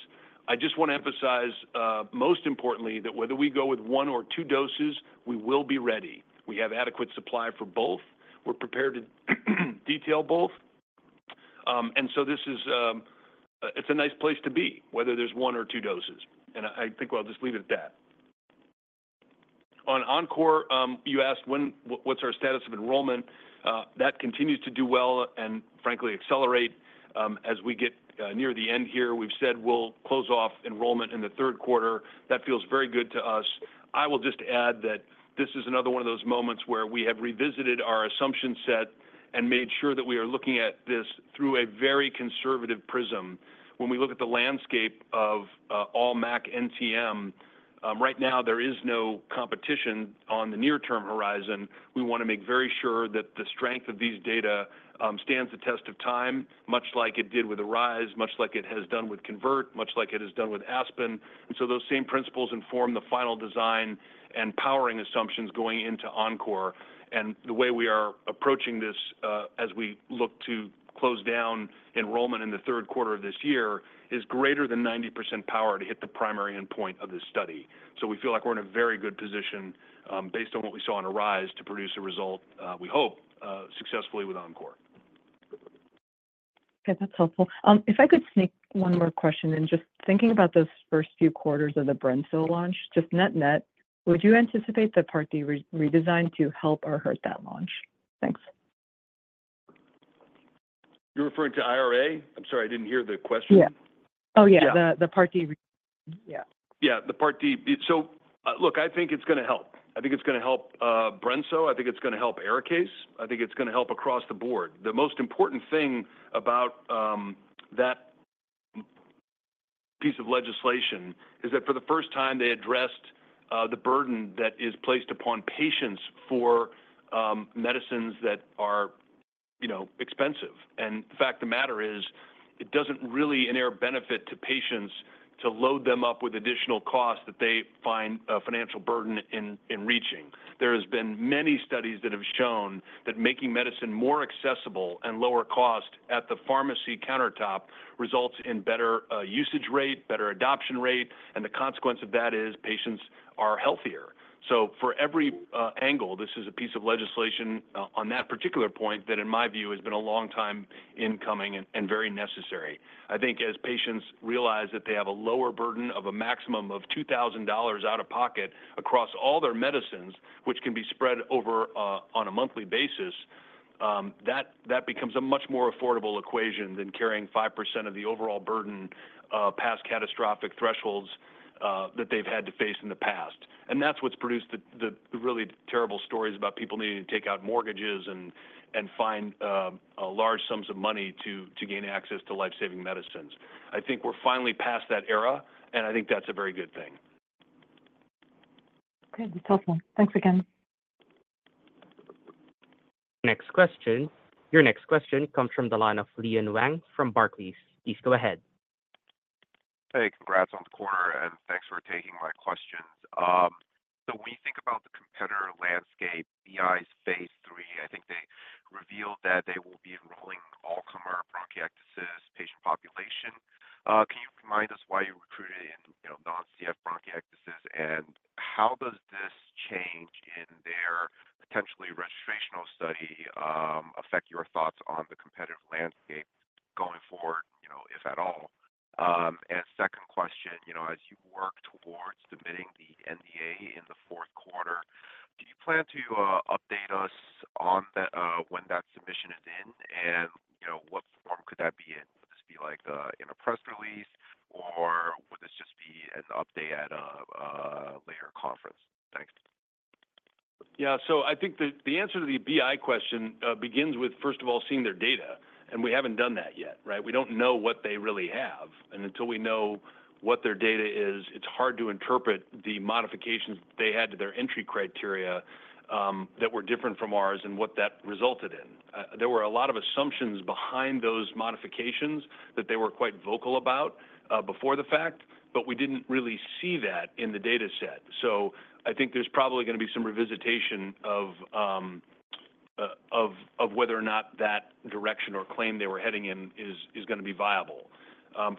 I just want to emphasize, most importantly, that whether we go with one or two doses, we will be ready. We have adequate supply for both. We're prepared to detail both. And so it's a nice place to be, whether there's one or two doses. And I think we'll just leave it at that. On ENCORE, you asked, "What's our status of enrollment?" That continues to do well and, frankly, accelerate as we get near the end here. We've said we'll close off enrollment in the third quarter. That feels very good to us. I will just add that this is another one of those moments where we have revisited our assumption set and made sure that we are looking at this through a very conservative prism. When we look at the landscape of all MAC NTM, right now, there is no competition on the near-term horizon. We want to make very sure that the strength of these data stands the test of time, much like it did with ARISE, much like it has done with CONVERT, much like it has done with ASPEN. And so those same principles inform the final design and powering assumptions going into ENCORE. And the way we are approaching this as we look to close down enrollment in the third quarter of this year is greater than 90% power to hit the primary endpoint of this study. So we feel like we're in a very good position based on what we saw in ARISE to produce a result, we hope, successfully with Encore. Okay. That's helpful. If I could sneak one more question in, just thinking about those first few quarters of the brensocatib's launch, just net-net, would you anticipate the Part D redesign to help or hurt that launch? Thanks. You're referring to IRA? I'm sorry, I didn't hear the question. Yeah. Oh, yeah. The Part D, yeah. Yeah. The Part D. So look, I think it's going to help. I think it's going to help brensocatib's though. I think it's going to help ARIKAYCE. I think it's going to help across the board. The most important thing about that piece of legislation is that for the first time, they addressed the burden that is placed upon patients for medicines that are expensive. The fact of the matter is it doesn't really inherent benefit to patients to load them up with additional costs that they find a financial burden in reaching. There have been many studies that have shown that making medicine more accessible and lower cost at the pharmacy countertop results in better usage rate, better adoption rate, and the consequence of that is patients are healthier. For every angle, this is a piece of legislation on that particular point that, in my view, has been a long time coming and very necessary. I think as patients realize that they have a lower burden of a maximum of $2,000 out of pocket across all their medicines, which can be spread over on a monthly basis, that becomes a much more affordable equation than carrying 5% of the overall burden past catastrophic thresholds that they've had to face in the past. And that's what's produced the really terrible stories about people needing to take out mortgages and find large sums of money to gain access to lifesaving medicines. I think we're finally past that era, and I think that's a very good thing. Okay. That's helpful. Thanks again. Next question. Your next question comes from the line of Leon Wang from Barclays. Please go ahead. Hey, congrats on the quarter, and thanks for taking my questions. So when you think about the competitor landscape, BI's phase 3, I think they revealed that they will be enrolling all-comers bronchiectasis patient population. Can you remind us why you recruited in non-CF bronchiectasis? And how does this change in their potentially registrational study affect your thoughts on the competitive landscape going forward, if at all? Second question, as you work towards submitting the NDA in the fourth quarter, do you plan to update us on when that submission is in? And what form could that be in? Would this be like in a press release, or would this just be an update at a later conference? Thanks. Yeah. So I think the answer to the BI question begins with, first of all, seeing their data. And we haven't done that yet, right? We don't know what they really have. And until we know what their data is, it's hard to interpret the modifications they had to their entry criteria that were different from ours and what that resulted in. There were a lot of assumptions behind those modifications that they were quite vocal about before the fact, but we didn't really see that in the dataset. So I think there's probably going to be some revisitation of whether or not that direction or claim they were heading in is going to be viable.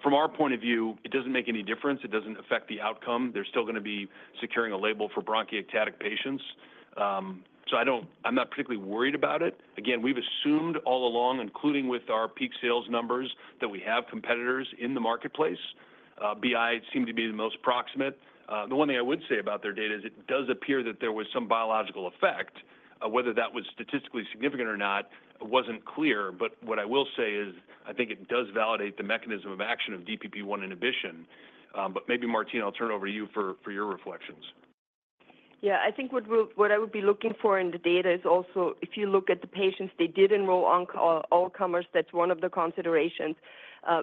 From our point of view, it doesn't make any difference. It doesn't affect the outcome. They're still going to be securing a label for bronchiectatic patients. So I'm not particularly worried about it. Again, we've assumed all along, including with our peak sales numbers, that we have competitors in the marketplace. BI seemed to be the most proximate. The one thing I would say about their data is it does appear that there was some biological effect. Whether that was statistically significant or not wasn't clear. But what I will say is I think it does validate the mechanism of action of DPP-1 inhibition. But maybe, Martina, I'll turn over to you for your reflections. Yeah. I think what I would be looking for in the data is also, if you look at the patients, they did enroll all-comers, that's one of the considerations.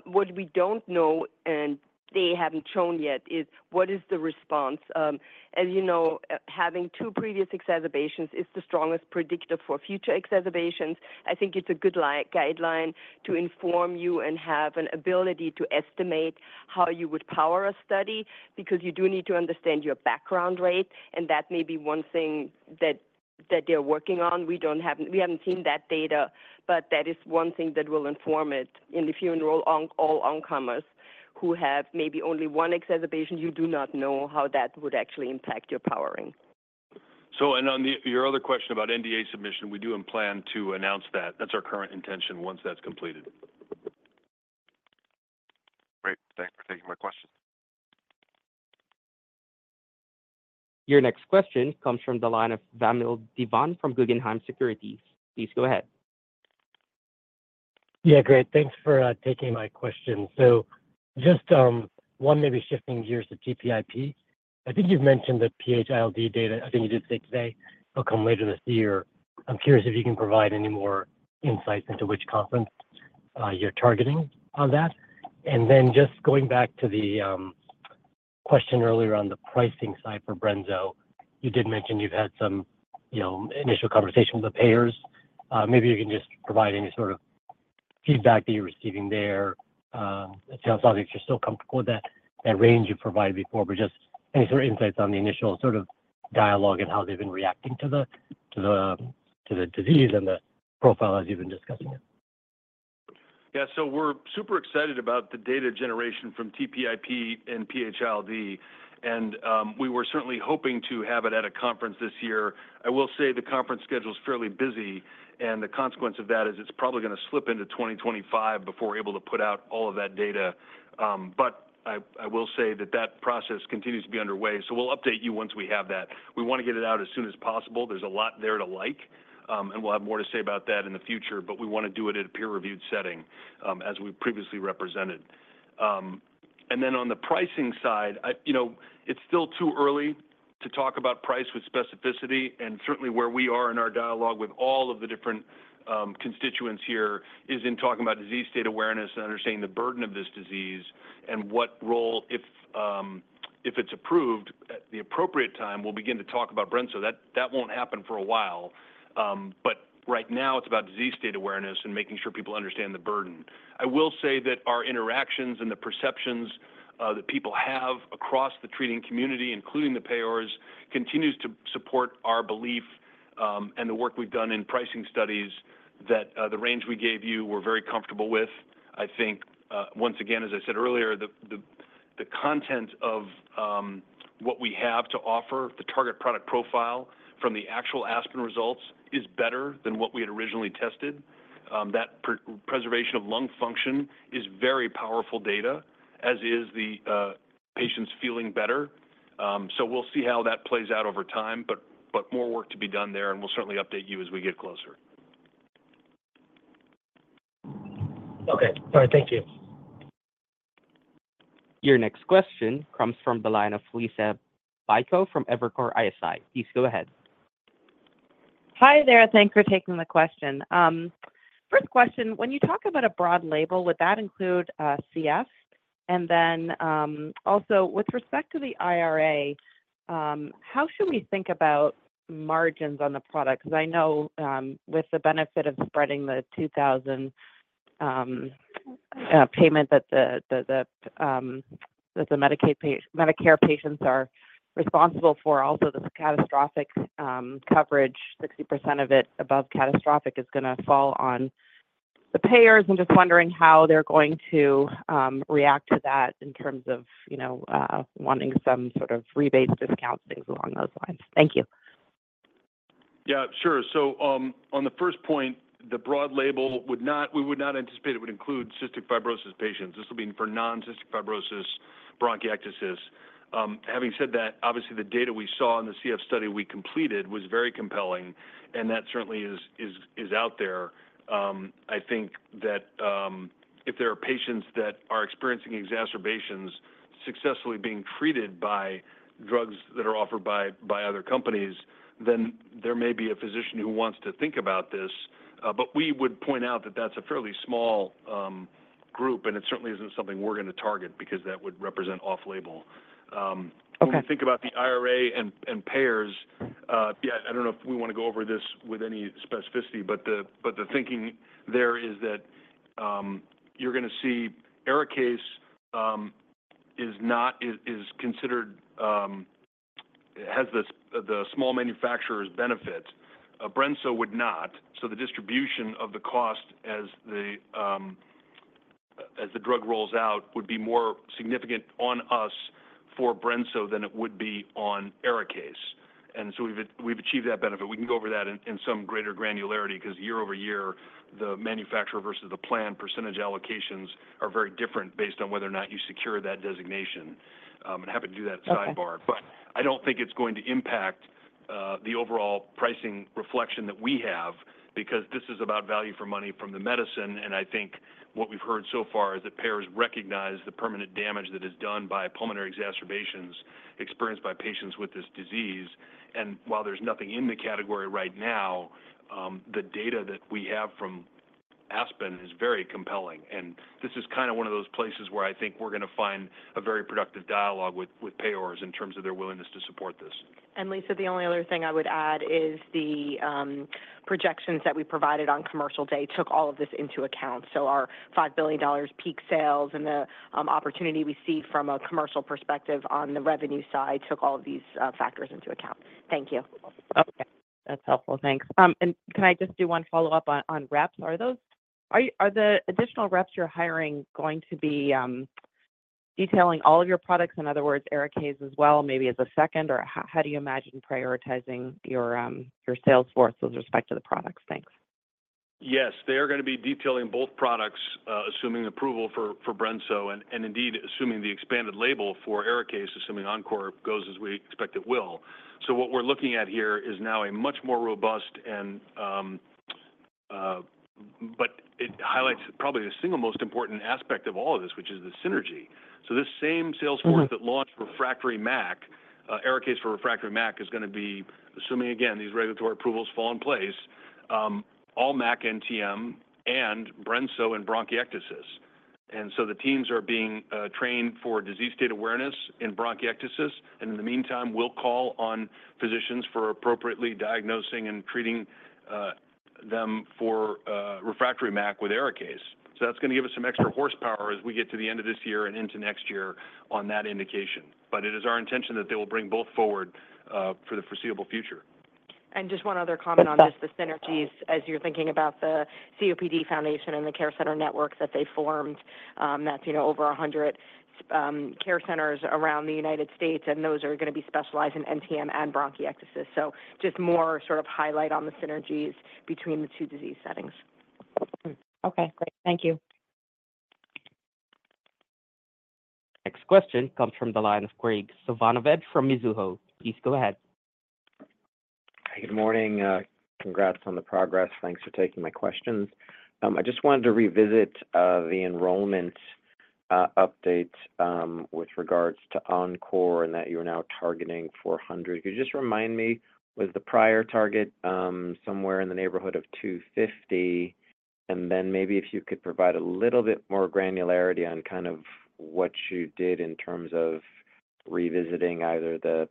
What we don't know, and they haven't shown yet, is what is the response? As you know, having two previous exacerbations is the strongest predictor for future exacerbations. I think it's a good guideline to inform you and have an ability to estimate how you would power a study because you do need to understand your background rate. And that may be one thing that they're working on. We haven't seen that data, but that is one thing that will inform it. And if you enroll all all-comers who have maybe only one exacerbation, you do not know how that would actually impact your powering. So, and on your other question about NDA submission, we do plan to announce that. That's our current intention once that's completed. Great. Thanks for taking my question. Your next question comes from the line of Vamil Divan from Guggenheim Securities. Please go ahead. Yeah, great. Thanks for taking my question. So just one, maybe shifting gears to TPIP. I think you've mentioned the PH-ILD data. I think you did say today it'll come later this year. I'm curious if you can provide any more insights into which conference you're targeting on that. And then just going back to the question earlier on the pricing side for brensocatib though, you did mention you've had some initial conversation with the payers. Maybe you can just provide any sort of feedback that you're receiving there. It sounds obvious you're still comfortable with that range you provided before, but just any sort of insights on the initial sort of dialogue and how they've been reacting to the disease and the profile as you've been discussing it? Yeah. We're super excited about the data generation from TPIP and PH-ILD. We were certainly hoping to have it at a conference this year. I will say the conference schedule is fairly busy. The consequence of that is it's probably going to slip into 2025 before we're able to put out all of that data. But I will say that that process continues to be underway. We'll update you once we have that. We want to get it out as soon as possible. There's a lot there to like. And we'll have more to say about that in the future, but we want to do it in a peer-reviewed setting as we previously represented. And then on the pricing side, it's still too early to talk about price with specificity. And certainly, where we are in our dialogue with all of the different constituents here is in talking about disease state awareness and understanding the burden of this disease and what role, if it's approved at the appropriate time, we'll begin to talk about brensocatib. That won't happen for a while. But right now, it's about disease state awareness and making sure people understand the burden. I will say that our interactions and the perceptions that people have across the treating community, including the payers, continue to support our belief and the work we've done in pricing studies that the range we gave you we're very comfortable with. I think, once again, as I said earlier, the content of what we have to offer, the target product profile from the actual ASPEN results is better than what we had originally tested. That preservation of lung function is very powerful data, as is the patients feeling better. So we'll see how that plays out over time, but more work to be done there. And we'll certainly update you as we get closer. Okay. All right. Thank you. Your next question comes from the line of Liisa Bayko from Evercore ISI. Please go ahead. Hi there. Thanks for taking the question. First question, when you talk about a broad label, would that include CF? And then also, with respect to the IRA, how should we think about margins on the product? Because I know with the benefit of spreading the $2,000 payment that the Medicare patients are responsible for, also the catastrophic coverage, 60% of it above catastrophic is going to fall on the payers. I'm just wondering how they're going to react to that in terms of wanting some sort of rebates, discounts, things along those lines. Thank you. Yeah, sure. On the first point, the broad label, we would not anticipate it would include cystic fibrosis patients. This will be for non-cystic fibrosis bronchiectasis. Having said that, obviously, the data we saw in the CF study we completed was very compelling. That certainly is out there. I think that if there are patients that are experiencing exacerbations successfully being treated by drugs that are offered by other companies, then there may be a physician who wants to think about this. But we would point out that that's a fairly small group. And it certainly isn't something we're going to target because that would represent off-label. When you think about the IRA and payers, yeah, I don't know if we want to go over this with any specificity, but the thinking there is that you're going to see ARIKAYCE is considered has the small manufacturer's benefit. brensocatib would not. So the distribution of the cost as the drug rolls out would be more significant on us for brensocatib than it would be on ARIKAYCE. And so we've achieved that benefit. We can go over that in some greater granularity because year-over-year, the manufacturer versus the plan percentage allocations are very different based on whether or not you secure that designation. I'm happy to do that sidebar. But I don't think it's going to impact the overall pricing reflection that we have because this is about value for money from the medicine. And I think what we've heard so far is that payers recognize the permanent damage that is done by pulmonary exacerbations experienced by patients with this disease. And while there's nothing in the category right now, the data that we have from ASPEN is very compelling. And this is kind of one of those places where I think we're going to find a very productive dialogue with payers in terms of their willingness to support this. And Liisa, the only other thing I would add is the projections that we provided on commercial day took all of this into account. So our $5 billion peak sales and the opportunity we see from a commercial perspective on the revenue side took all of these factors into account. Thank you. Okay. That's helpful. Thanks. And can I just do one follow-up on rep? Are the additional reps you're hiring going to be detailing all of your products? In other words, ARIKAYCE as well, maybe as a second, or how do you imagine prioritizing your sales force with respect to the products? Thanks. Yes. They are going to be detailing both products, assuming approval for brensocatib though, and indeed assuming the expanded label for ARIKAYCE, assuming ENCORE goes as we expect it will. So what we're looking at here is now a much more robust, but it highlights probably the single most important aspect of all of this, which is the synergy. So this same sales force that launched refractory MAC, ARIKAYCE for refractory MAC is going to be, assuming again, these regulatory approvals fall in place, all MAC NTM and brensocatib and bronchiectasis. And so the teams are being trained for disease state awareness in bronchiectasis. And in the meantime, we'll call on physicians for appropriately diagnosing and treating them for refractory MAC with ARIKAYCE. So that's going to give us some extra horsepower as we get to the end of this year and into next year on that indication. But it is our intention that they will bring both forward for the foreseeable future. Just one other comment on this, the synergies, as you're thinking about the COPD Foundation and the care center network that they formed, that's over 100 care centers around the United States, and those are going to be specialized in NTM and bronchiectasis. Just more sort of highlight on the synergies between the two disease settings. Okay. Great. Thank you. Next question comes from the line of Graig Suvannavejh from Mizuho. Please go ahead. Hi, good morning. Congrats on the progress. Thanks for taking my questions. I just wanted to revisit the enrollment update with regards to ENCORE and that you're now targeting 400. Could you just remind me was the prior target somewhere in the neighborhood of 250? And then maybe if you could provide a little bit more granularity on kind of what you did in terms of revisiting either the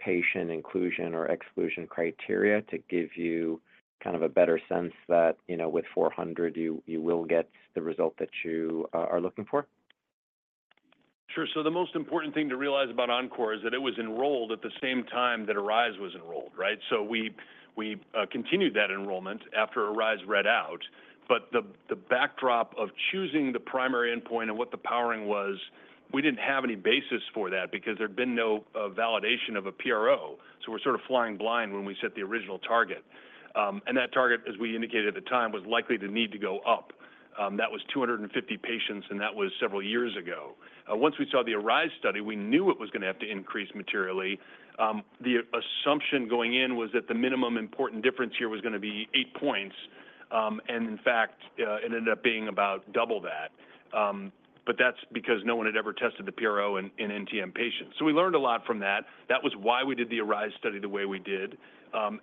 patient inclusion or exclusion criteria to give you kind of a better sense that with 400, you will get the result that you are looking for? Sure. So the most important thing to realize about Encore is that it was enrolled at the same time that ARISE was enrolled, right? So we continued that enrollment after ARISE read out. But the backdrop of choosing the primary endpoint and what the powering was, we didn't have any basis for that because there'd been no validation of a PRO. So we're sort of flying blind when we set the original target. And that target, as we indicated at the time, was likely to need to go up. That was 250 patients, and that was several years ago. Once we saw the ARISE study, we knew it was going to have to increase materially. The assumption going in was that the minimum important difference here was going to be eight points. In fact, it ended up being about double that. That's because no one had ever tested the PRO in NTM patients. We learned a lot from that. That was why we did the ARISE study the way we did.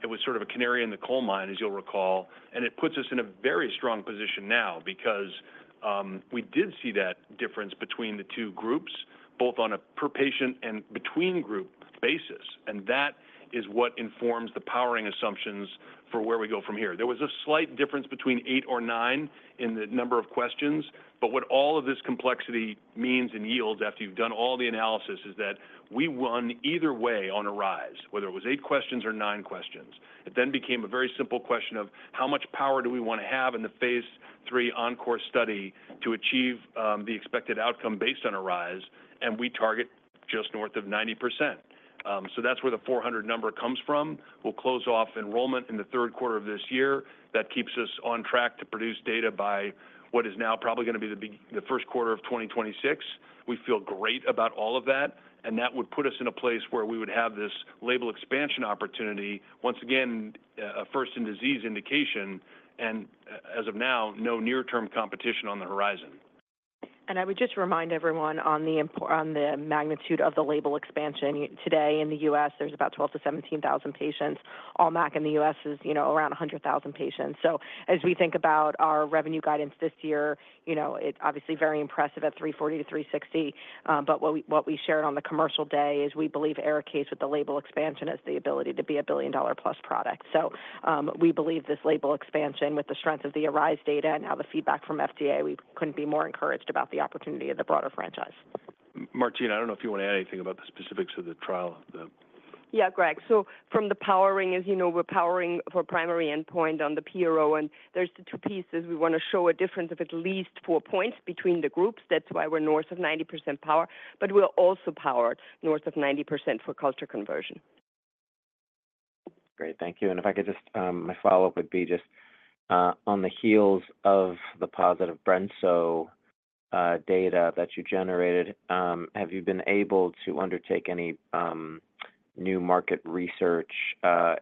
It was sort of a canary in the coal mine, as you'll recall. It puts us in a very strong position now because we did see that difference between the two groups, both on a per patient and between group basis. That is what informs the powering assumptions for where we go from here. There was a slight difference between eight or nine in the number of questions. But what all of this complexity means and yields after you've done all the analysis is that we won either way on ARISE, whether it was eight questions or nine questions. It then became a very simple question of how much power do we want to have in the phase 3 ENCORE study to achieve the expected outcome based on ARISE. And we target just north of 90%. So that's where the 400 number comes from. We'll close off enrollment in the third quarter of this year. That keeps us on track to produce data by what is now probably going to be the first quarter of 2026. We feel great about all of that. And that would put us in a place where we would have this label expansion opportunity, once again, a first in disease indication. And as of now, no near-term competition on the horizon. I would just remind everyone on the magnitude of the label expansion. Today, in the US, there's about 12,000-17,000 patients. All MAC in the US is around 100,000 patients. As we think about our revenue guidance this year, it's obviously very impressive at $340 million-$360 million. But what we shared on the commercial day is we believe ARIKAYCE with the label expansion has the ability to be a billion-dollar-plus product. So we believe this label expansion with the strength of the ARISE data and now the feedback from FDA, we couldn't be more encouraged about the opportunity of the broader franchise. Martina, I don't know if you want to add anything about the specifics of the trial. Yeah, Greg. So from the powering, as you know, we're powering for primary endpoint on the PRO. And there's the two pieces. We want to show a difference of at least four points between the groups. That's why we're north of 90% power. But we're also powered north of 90% for culture conversion. Great. Thank you. And if I could just, my follow-up would be just on the heels of the positive brensocatib data that you generated, have you been able to undertake any new market research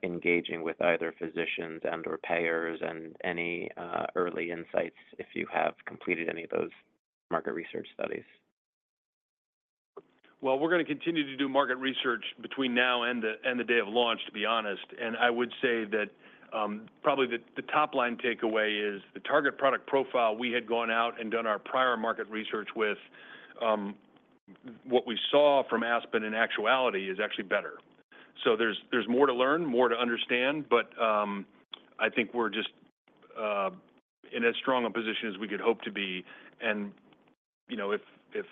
engaging with either physicians and/or payers and any early insights if you have completed any of those market research studies? Well, we're going to continue to do market research between now and the day of launch, to be honest. And I would say that probably the top-line takeaway is the target product profile we had gone out and done our prior market research with; what we saw from ASPEN in actuality is actually better. So there's more to learn, more to understand. But I think we're just in as strong a position as we could hope to be. And if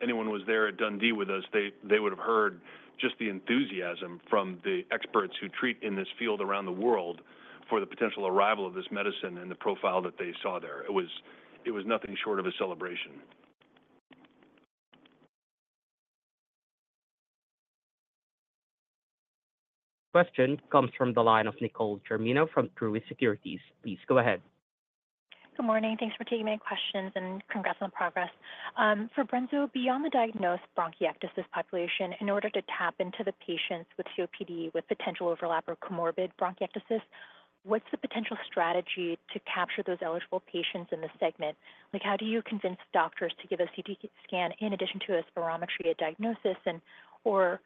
anyone was there at Dundee with us, they would have heard just the enthusiasm from the experts who treat in this field around the world for the potential arrival of this medicine and the profile that they saw there. It was nothing short of a celebration. Question comes from the line of Nicole Germino from Truist Securities. Please go ahead. Good morning. Thanks for taking my questions and congrats on the progress. For brensocatib though, beyond the diagnosed bronchiectasis population, in order to tap into the patients with COPD with potential overlap or comorbid bronchiectasis, what's the potential strategy to capture those eligible patients in the segment? How do you convince doctors to give a CT scan in addition to a spirometry diagnosis? And/or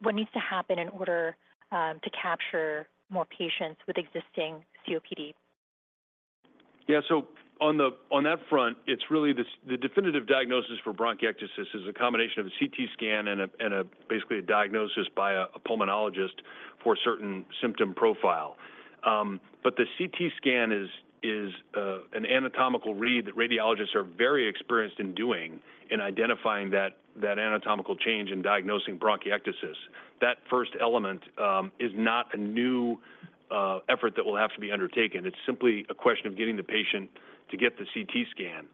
what needs to happen in order to capture more patients with existing COPD? Yeah. So on that front, it's really the definitive diagnosis for bronchiectasis is a combination of a CT scan and basically a diagnosis by a pulmonologist for a certain symptom profile. But the CT scan is an anatomical read that radiologists are very experienced in doing in identifying that anatomical change in diagnosing bronchiectasis. That first element is not a new effort that will have to be undertaken. It's simply a question of getting the patient to get the CT scan.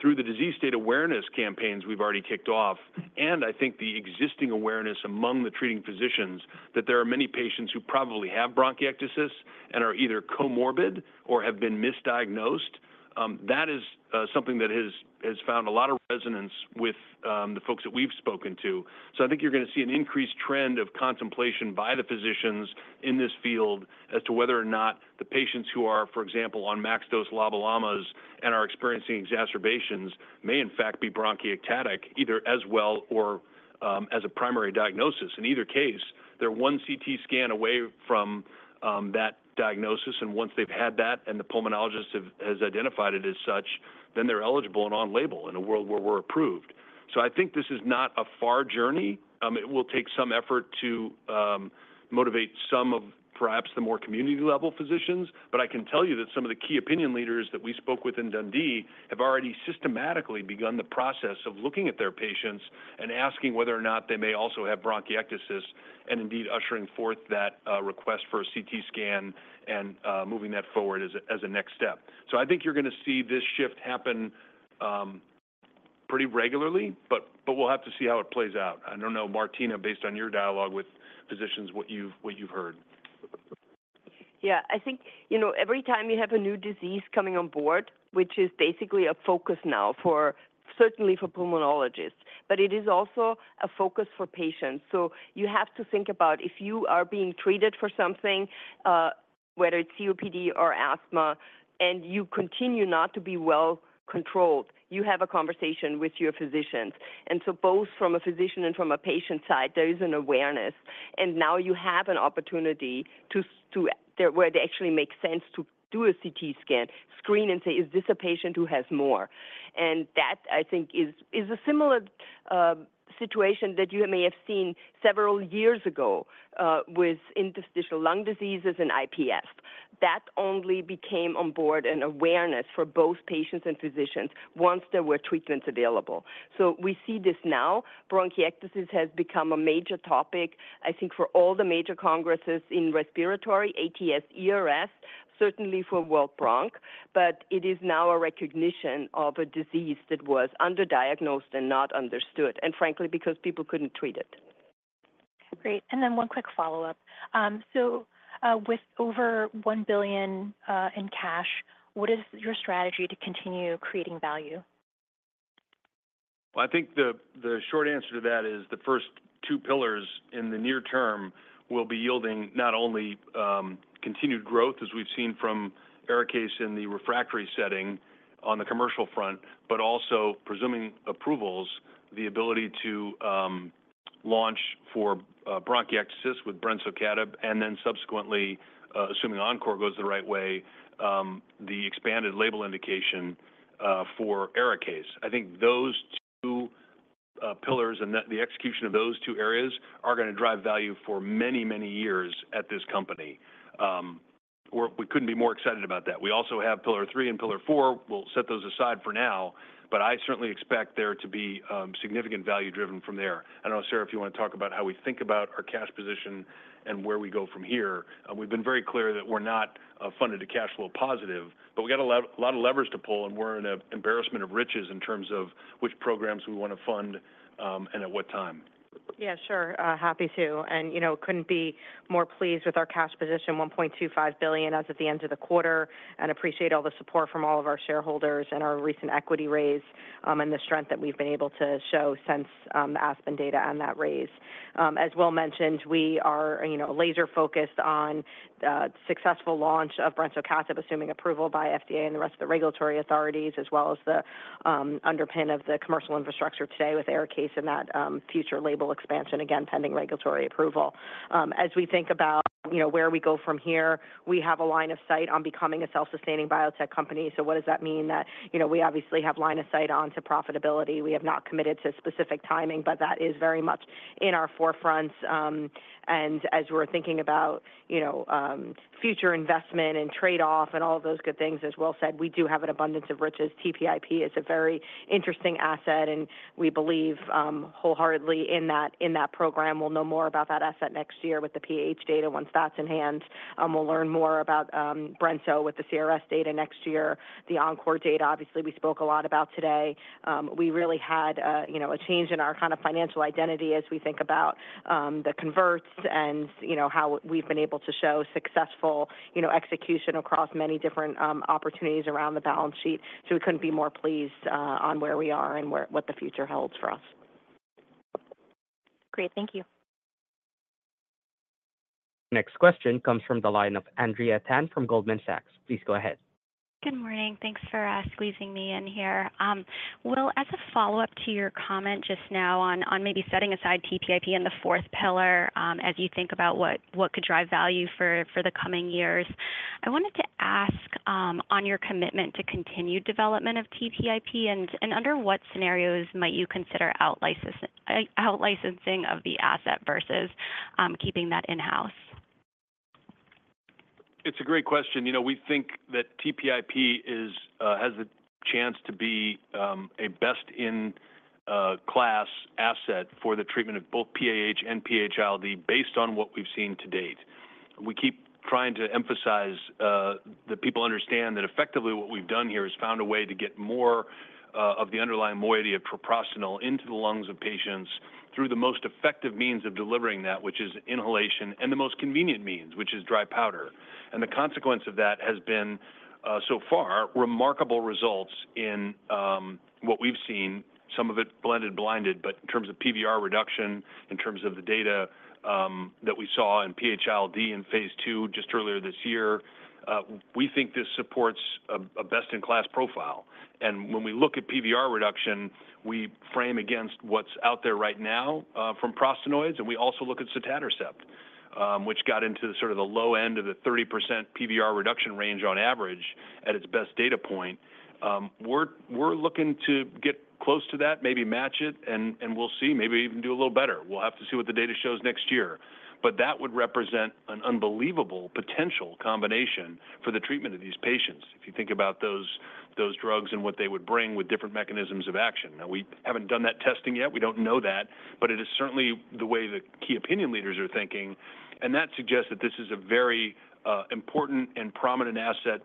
Through the disease state awareness campaigns we've already kicked off, and I think the existing awareness among the treating physicians that there are many patients who probably have bronchiectasis and are either comorbid or have been misdiagnosed, that is something that has found a lot of resonance with the folks that we've spoken to. So I think you're going to see an increased trend of contemplation by the physicians in this field as to whether or not the patients who are, for example, on max dose LAMAs and are experiencing exacerbations may in fact be bronchiectatic either as well or as a primary diagnosis. In either case, they're one CT scan away from that diagnosis. And once they've had that and the pulmonologist has identified it as such, then they're eligible and on label in a world where we're approved. So I think this is not a far journey. It will take some effort to motivate some of perhaps the more community-level physicians. But I can tell you that some of the key opinion leaders that we spoke with in Dundee have already systematically begun the process of looking at their patients and asking whether or not they may also have bronchiectasis and indeed ushering forth that request for a CT scan and moving that forward as a next step. So I think you're going to see this shift happen pretty regularly, but we'll have to see how it plays out. I don't know, Martina, based on your dialogue with physicians, what you've heard? Yeah. I think every time you have a new disease coming on board, which is basically a focus now, certainly for pulmonologists, but it is also a focus for patients. So you have to think about if you are being treated for something, whether it's COPD or asthma, and you continue not to be well controlled, you have a conversation with your physicians. And so both from a physician and from a patient side, there is an awareness. And now you have an opportunity where it actually makes sense to do a CT scan, screen, and say, "Is this a patient who has more?" And that, I think, is a similar situation that you may have seen several years ago with interstitial lung diseases and IPF. That only became on board an awareness for both patients and physicians once there were treatments available. So we see this now. Bronchiectasis has become a major topic, I think, for all the major congresses in respiratory, ATS, ERS, certainly for World Bronch. But it is now a recognition of a disease that was underdiagnosed and not understood, and frankly, because people couldn't treat it. Great. And then one quick follow-up. So with over $1 billion in cash, what is your strategy to continue creating value? Well, I think the short answer to that is the first two pillars in the near term will be yielding not only continued growth as we've seen from ARIKAYCE in the refractory setting on the commercial front, but also, presuming approvals, the ability to launch for bronchiectasis with brensocatib, and then subsequently, assuming ENCORE goes the right way, the expanded label indication for ARIKAYCE. I think those two pillars and the execution of those two areas are going to drive value for many, many years at this company. We couldn't be more excited about that. We also have pillar three and pillar four. We'll set those aside for now. I certainly expect there to be significant value driven from there. I don't know, Sara, if you want to talk about how we think about our cash position and where we go from here. We've been very clear that we're not funded to cash flow positive, but we got a lot of levers to pull, and we're in an embarrassment of riches in terms of which programs we want to fund and at what time. Yeah, sure. Happy to. Couldn't be more pleased with our cash position, $1.25 billion as of the end of the quarter, and appreciate all the support from all of our shareholders and our recent equity raise and the strength that we've been able to show since the ASPEN data and that raise. As Will mentioned, we are laser-focused on the successful launch of brensocatib, assuming approval by FDA and the rest of the regulatory authorities, as well as the underpinning of the commercial infrastructure today with ARIKAYCE and that future label expansion, again, pending regulatory approval. As we think about where we go from here, we have a line of sight on becoming a self-sustaining biotech company. So what does that mean? That we obviously have a line of sight onto profitability. We have not committed to specific timing, but that is very much in our forefront. And as we're thinking about future investment and trade-off and all those good things, as Will said, we do have an abundance of riches. TPIP is a very interesting asset, and we believe wholeheartedly in that program. We'll know more about that asset next year with the PH data once that's in hand. We'll learn more about brensocatib with the CRS data next year, the Encore data, obviously, we spoke a lot about today. We really had a change in our kind of financial identity as we think about the converts and how we've been able to show successful execution across many different opportunities around the balance sheet. So we couldn't be more pleased on where we are and what the future holds for us. Great. Thank you. Next question comes from the line of Andrea Tan from Goldman Sachs. Please go ahead. Good morning. Thanks for squeezing me in here. Will, as a follow-up to your comment just now on maybe setting aside TPIP in the fourth pillar as you think about what could drive value for the coming years, I wanted to ask on your commitment to continued development of TPIP and under what scenarios might you consider outlicensing of the asset versus keeping that in-house? It's a great question. We think that TPIP has the chance to be a best-in-class asset for the treatment of both PAH and PH-ILD based on what we've seen to date. We keep trying to emphasize that people understand that effectively what we've done here is found a way to get more of the underlying moiety of treprostinil into the lungs of patients through the most effective means of delivering that, which is inhalation, and the most convenient means, which is dry powder. The consequence of that has been, so far, remarkable results in what we've seen, some of it double-blinded, but in terms of PVR reduction, in terms of the data that we saw in PHLD in phase 2 just earlier this year, we think this supports a best-in-class profile. When we look at PVR reduction, we frame against what's out there right now from prostaglandins, and we also look at sotatercept, which got into sort of the low end of the 30% PVR reduction range on average at its best data point. We're looking to get close to that, maybe match it, and we'll see. Maybe we even do a little better. We'll have to see what the data shows next year. But that would represent an unbelievable potential combination for the treatment of these patients if you think about those drugs and what they would bring with different mechanisms of action. Now, we haven't done that testing yet. We don't know that. But it is certainly the way the key opinion leaders are thinking. And that suggests that this is a very important and prominent asset.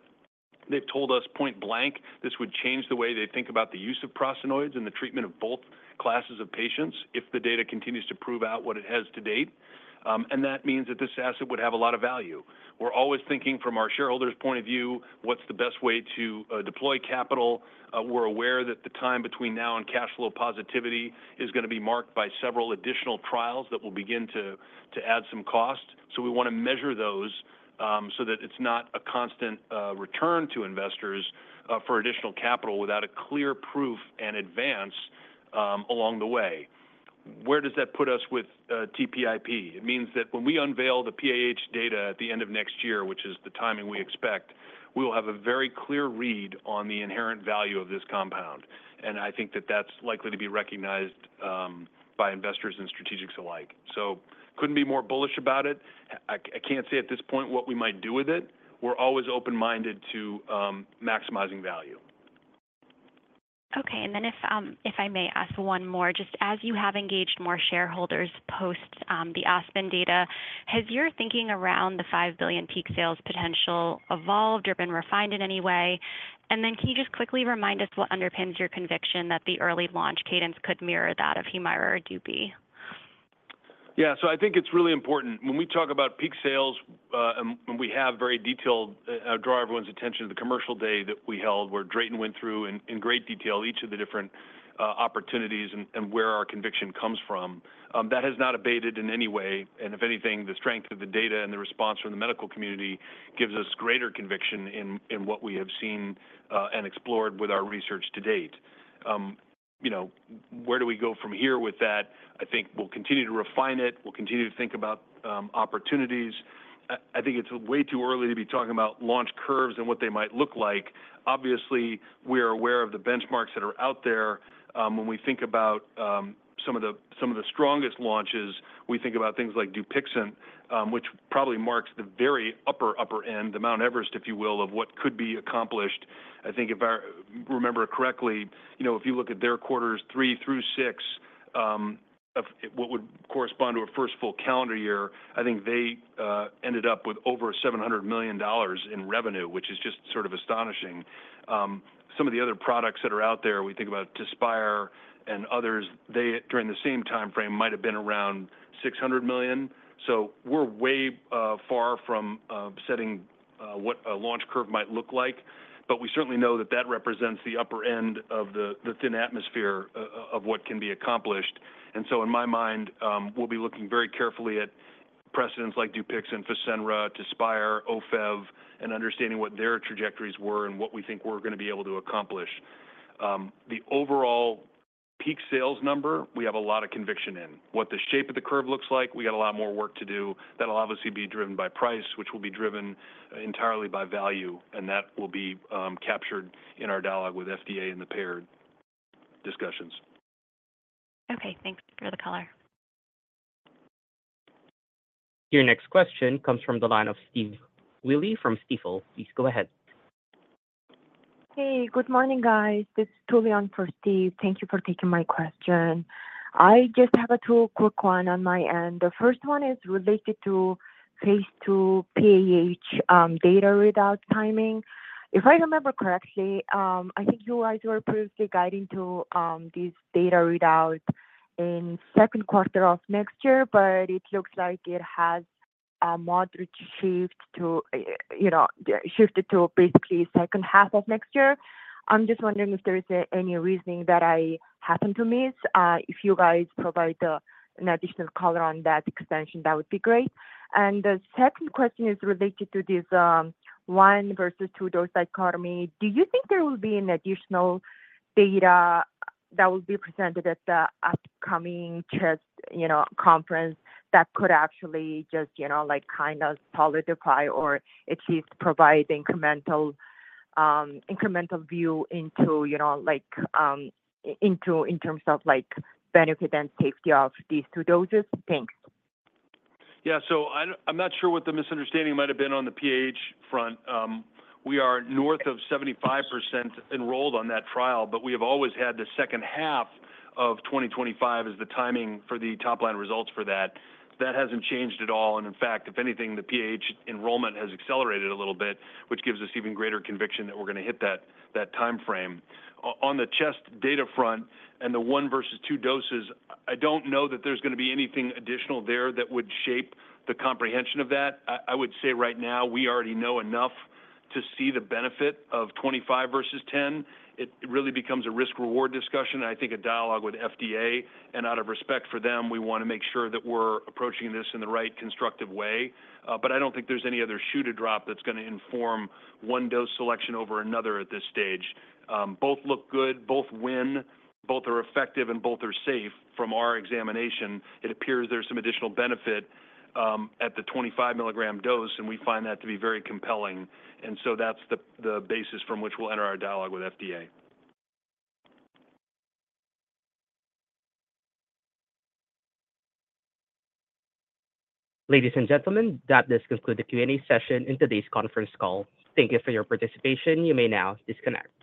They've told us point blank this would change the way they think about the use of prostaglandins and the treatment of both classes of patients if the data continues to prove out what it has to date. And that means that this asset would have a lot of value. We're always thinking from our shareholders' point of view, what's the best way to deploy capital? We're aware that the time between now and cash flow positivity is going to be marked by several additional trials that will begin to add some cost. So we want to measure those so that it's not a constant return to investors for additional capital without a clear proof and advance along the way. Where does that put us with TPIP? It means that when we unveil the PAH data at the end of next year, which is the timing we expect, we'll have a very clear read on the inherent value of this compound. And I think that that's likely to be recognized by investors and strategics alike. So couldn't be more bullish about it. I can't say at this point what we might do with it. We're always open-minded to maximizing value. Okay. If I may ask one more, just as you have engaged more shareholders post the ASPEN data, has your thinking around the $5 billion peak sales potential evolved or been refined in any way? Then can you just quickly remind us what underpins your conviction that the early launch cadence could mirror that of Humira or Dupixent? Yeah. I think it's really important when we talk about peak sales, and we have very detailed. Draw everyone's attention to the Commercial Day that we held where Drayton went through in great detail each of the different opportunities and where our conviction comes from. That has not abated in any way. If anything, the strength of the data and the response from the medical community gives us greater conviction in what we have seen and explored with our research to date. Where do we go from here with that? I think we'll continue to refine it. We'll continue to think about opportunities. I think it's way too early to be talking about launch curves and what they might look like. Obviously, we are aware of the benchmarks that are out there. When we think about some of the strongest launches, we think about things like Dupixent, which probably marks the very upper end, the Mount Everest, if you will, of what could be accomplished. I think if I remember correctly, if you look at their quarters 3 through 6 of what would correspond to a first full calendar year, I think they ended up with over $700 million in revenue, which is just sort of astonishing. Some of the other products that are out there, we think about Tezspire and others, they during the same timeframe might have been around $600 million. So we're way far from setting what a launch curve might look like. But we certainly know that that represents the upper end of the thin atmosphere of what can be accomplished. And so in my mind, we'll be looking very carefully at precedents like Dupixent, Fasenra, Tezspire, OFEV, and understanding what their trajectories were and what we think we're going to be able to accomplish. The overall peak sales number, we have a lot of conviction in. What the shape of the curve looks like, we got a lot more work to do. That'll obviously be driven by price, which will be driven entirely by value. And that will be captured in our dialogue with FDA and the paired discussions. Okay. Thanks for the color. Your next question comes from the line of Steve Willey from Stifel. Please go ahead. Hey, good morning, guys. This is Julian for Steve. Thank you for taking my question. I just have a two quick ones on my end. The first one is related to phase two PAH data readout timing. If I remember correctly, I think you guys were previously guiding to these data readouts in second quarter of next year, but it looks like it has a moderate shift to basically second half of next year. I'm just wondering if there is any reasoning that I happen to miss. If you guys provide an additional color on that extension, that would be great. And the second question is related to this one versus two dose dichotomy. Do you think there will be an additional data that will be presented at the upcoming conference that could actually just kind of solidify or at least provide the incremental view in terms of benefit and safety of these two doses? Thanks. Yeah. So I'm not sure what the misunderstanding might have been on the PAH front. We are north of 75% enrolled on that trial, but we have always had the second half of 2025 as the timing for the top line results for that. That hasn't changed at all. And in fact, if anything, the PAH enrollment has accelerated a little bit, which gives us even greater conviction that we're going to hit that timeframe. On the CHEST data front and the one versus two doses, I don't know that there's going to be anything additional there that would shape the comprehension of that. I would say right now, we already know enough to see the benefit of 25 versus 10. It really becomes a risk-reward discussion. I think a dialogue with FDA and out of respect for them, we want to make sure that we're approaching this in the right constructive way. But I don't think there's any other shoe to drop that's going to inform one dose selection over another at this stage. Both look good, both win, both are effective, and both are safe from our examination. It appears there's some additional benefit at the 25-milligram dose, and we find that to be very compelling. And so that's the basis from which we'll enter our dialogue with FDA. Ladies and gentlemen, that does conclude the Q&A session in today's conference call. Thank you for your participation. You may now disconnect.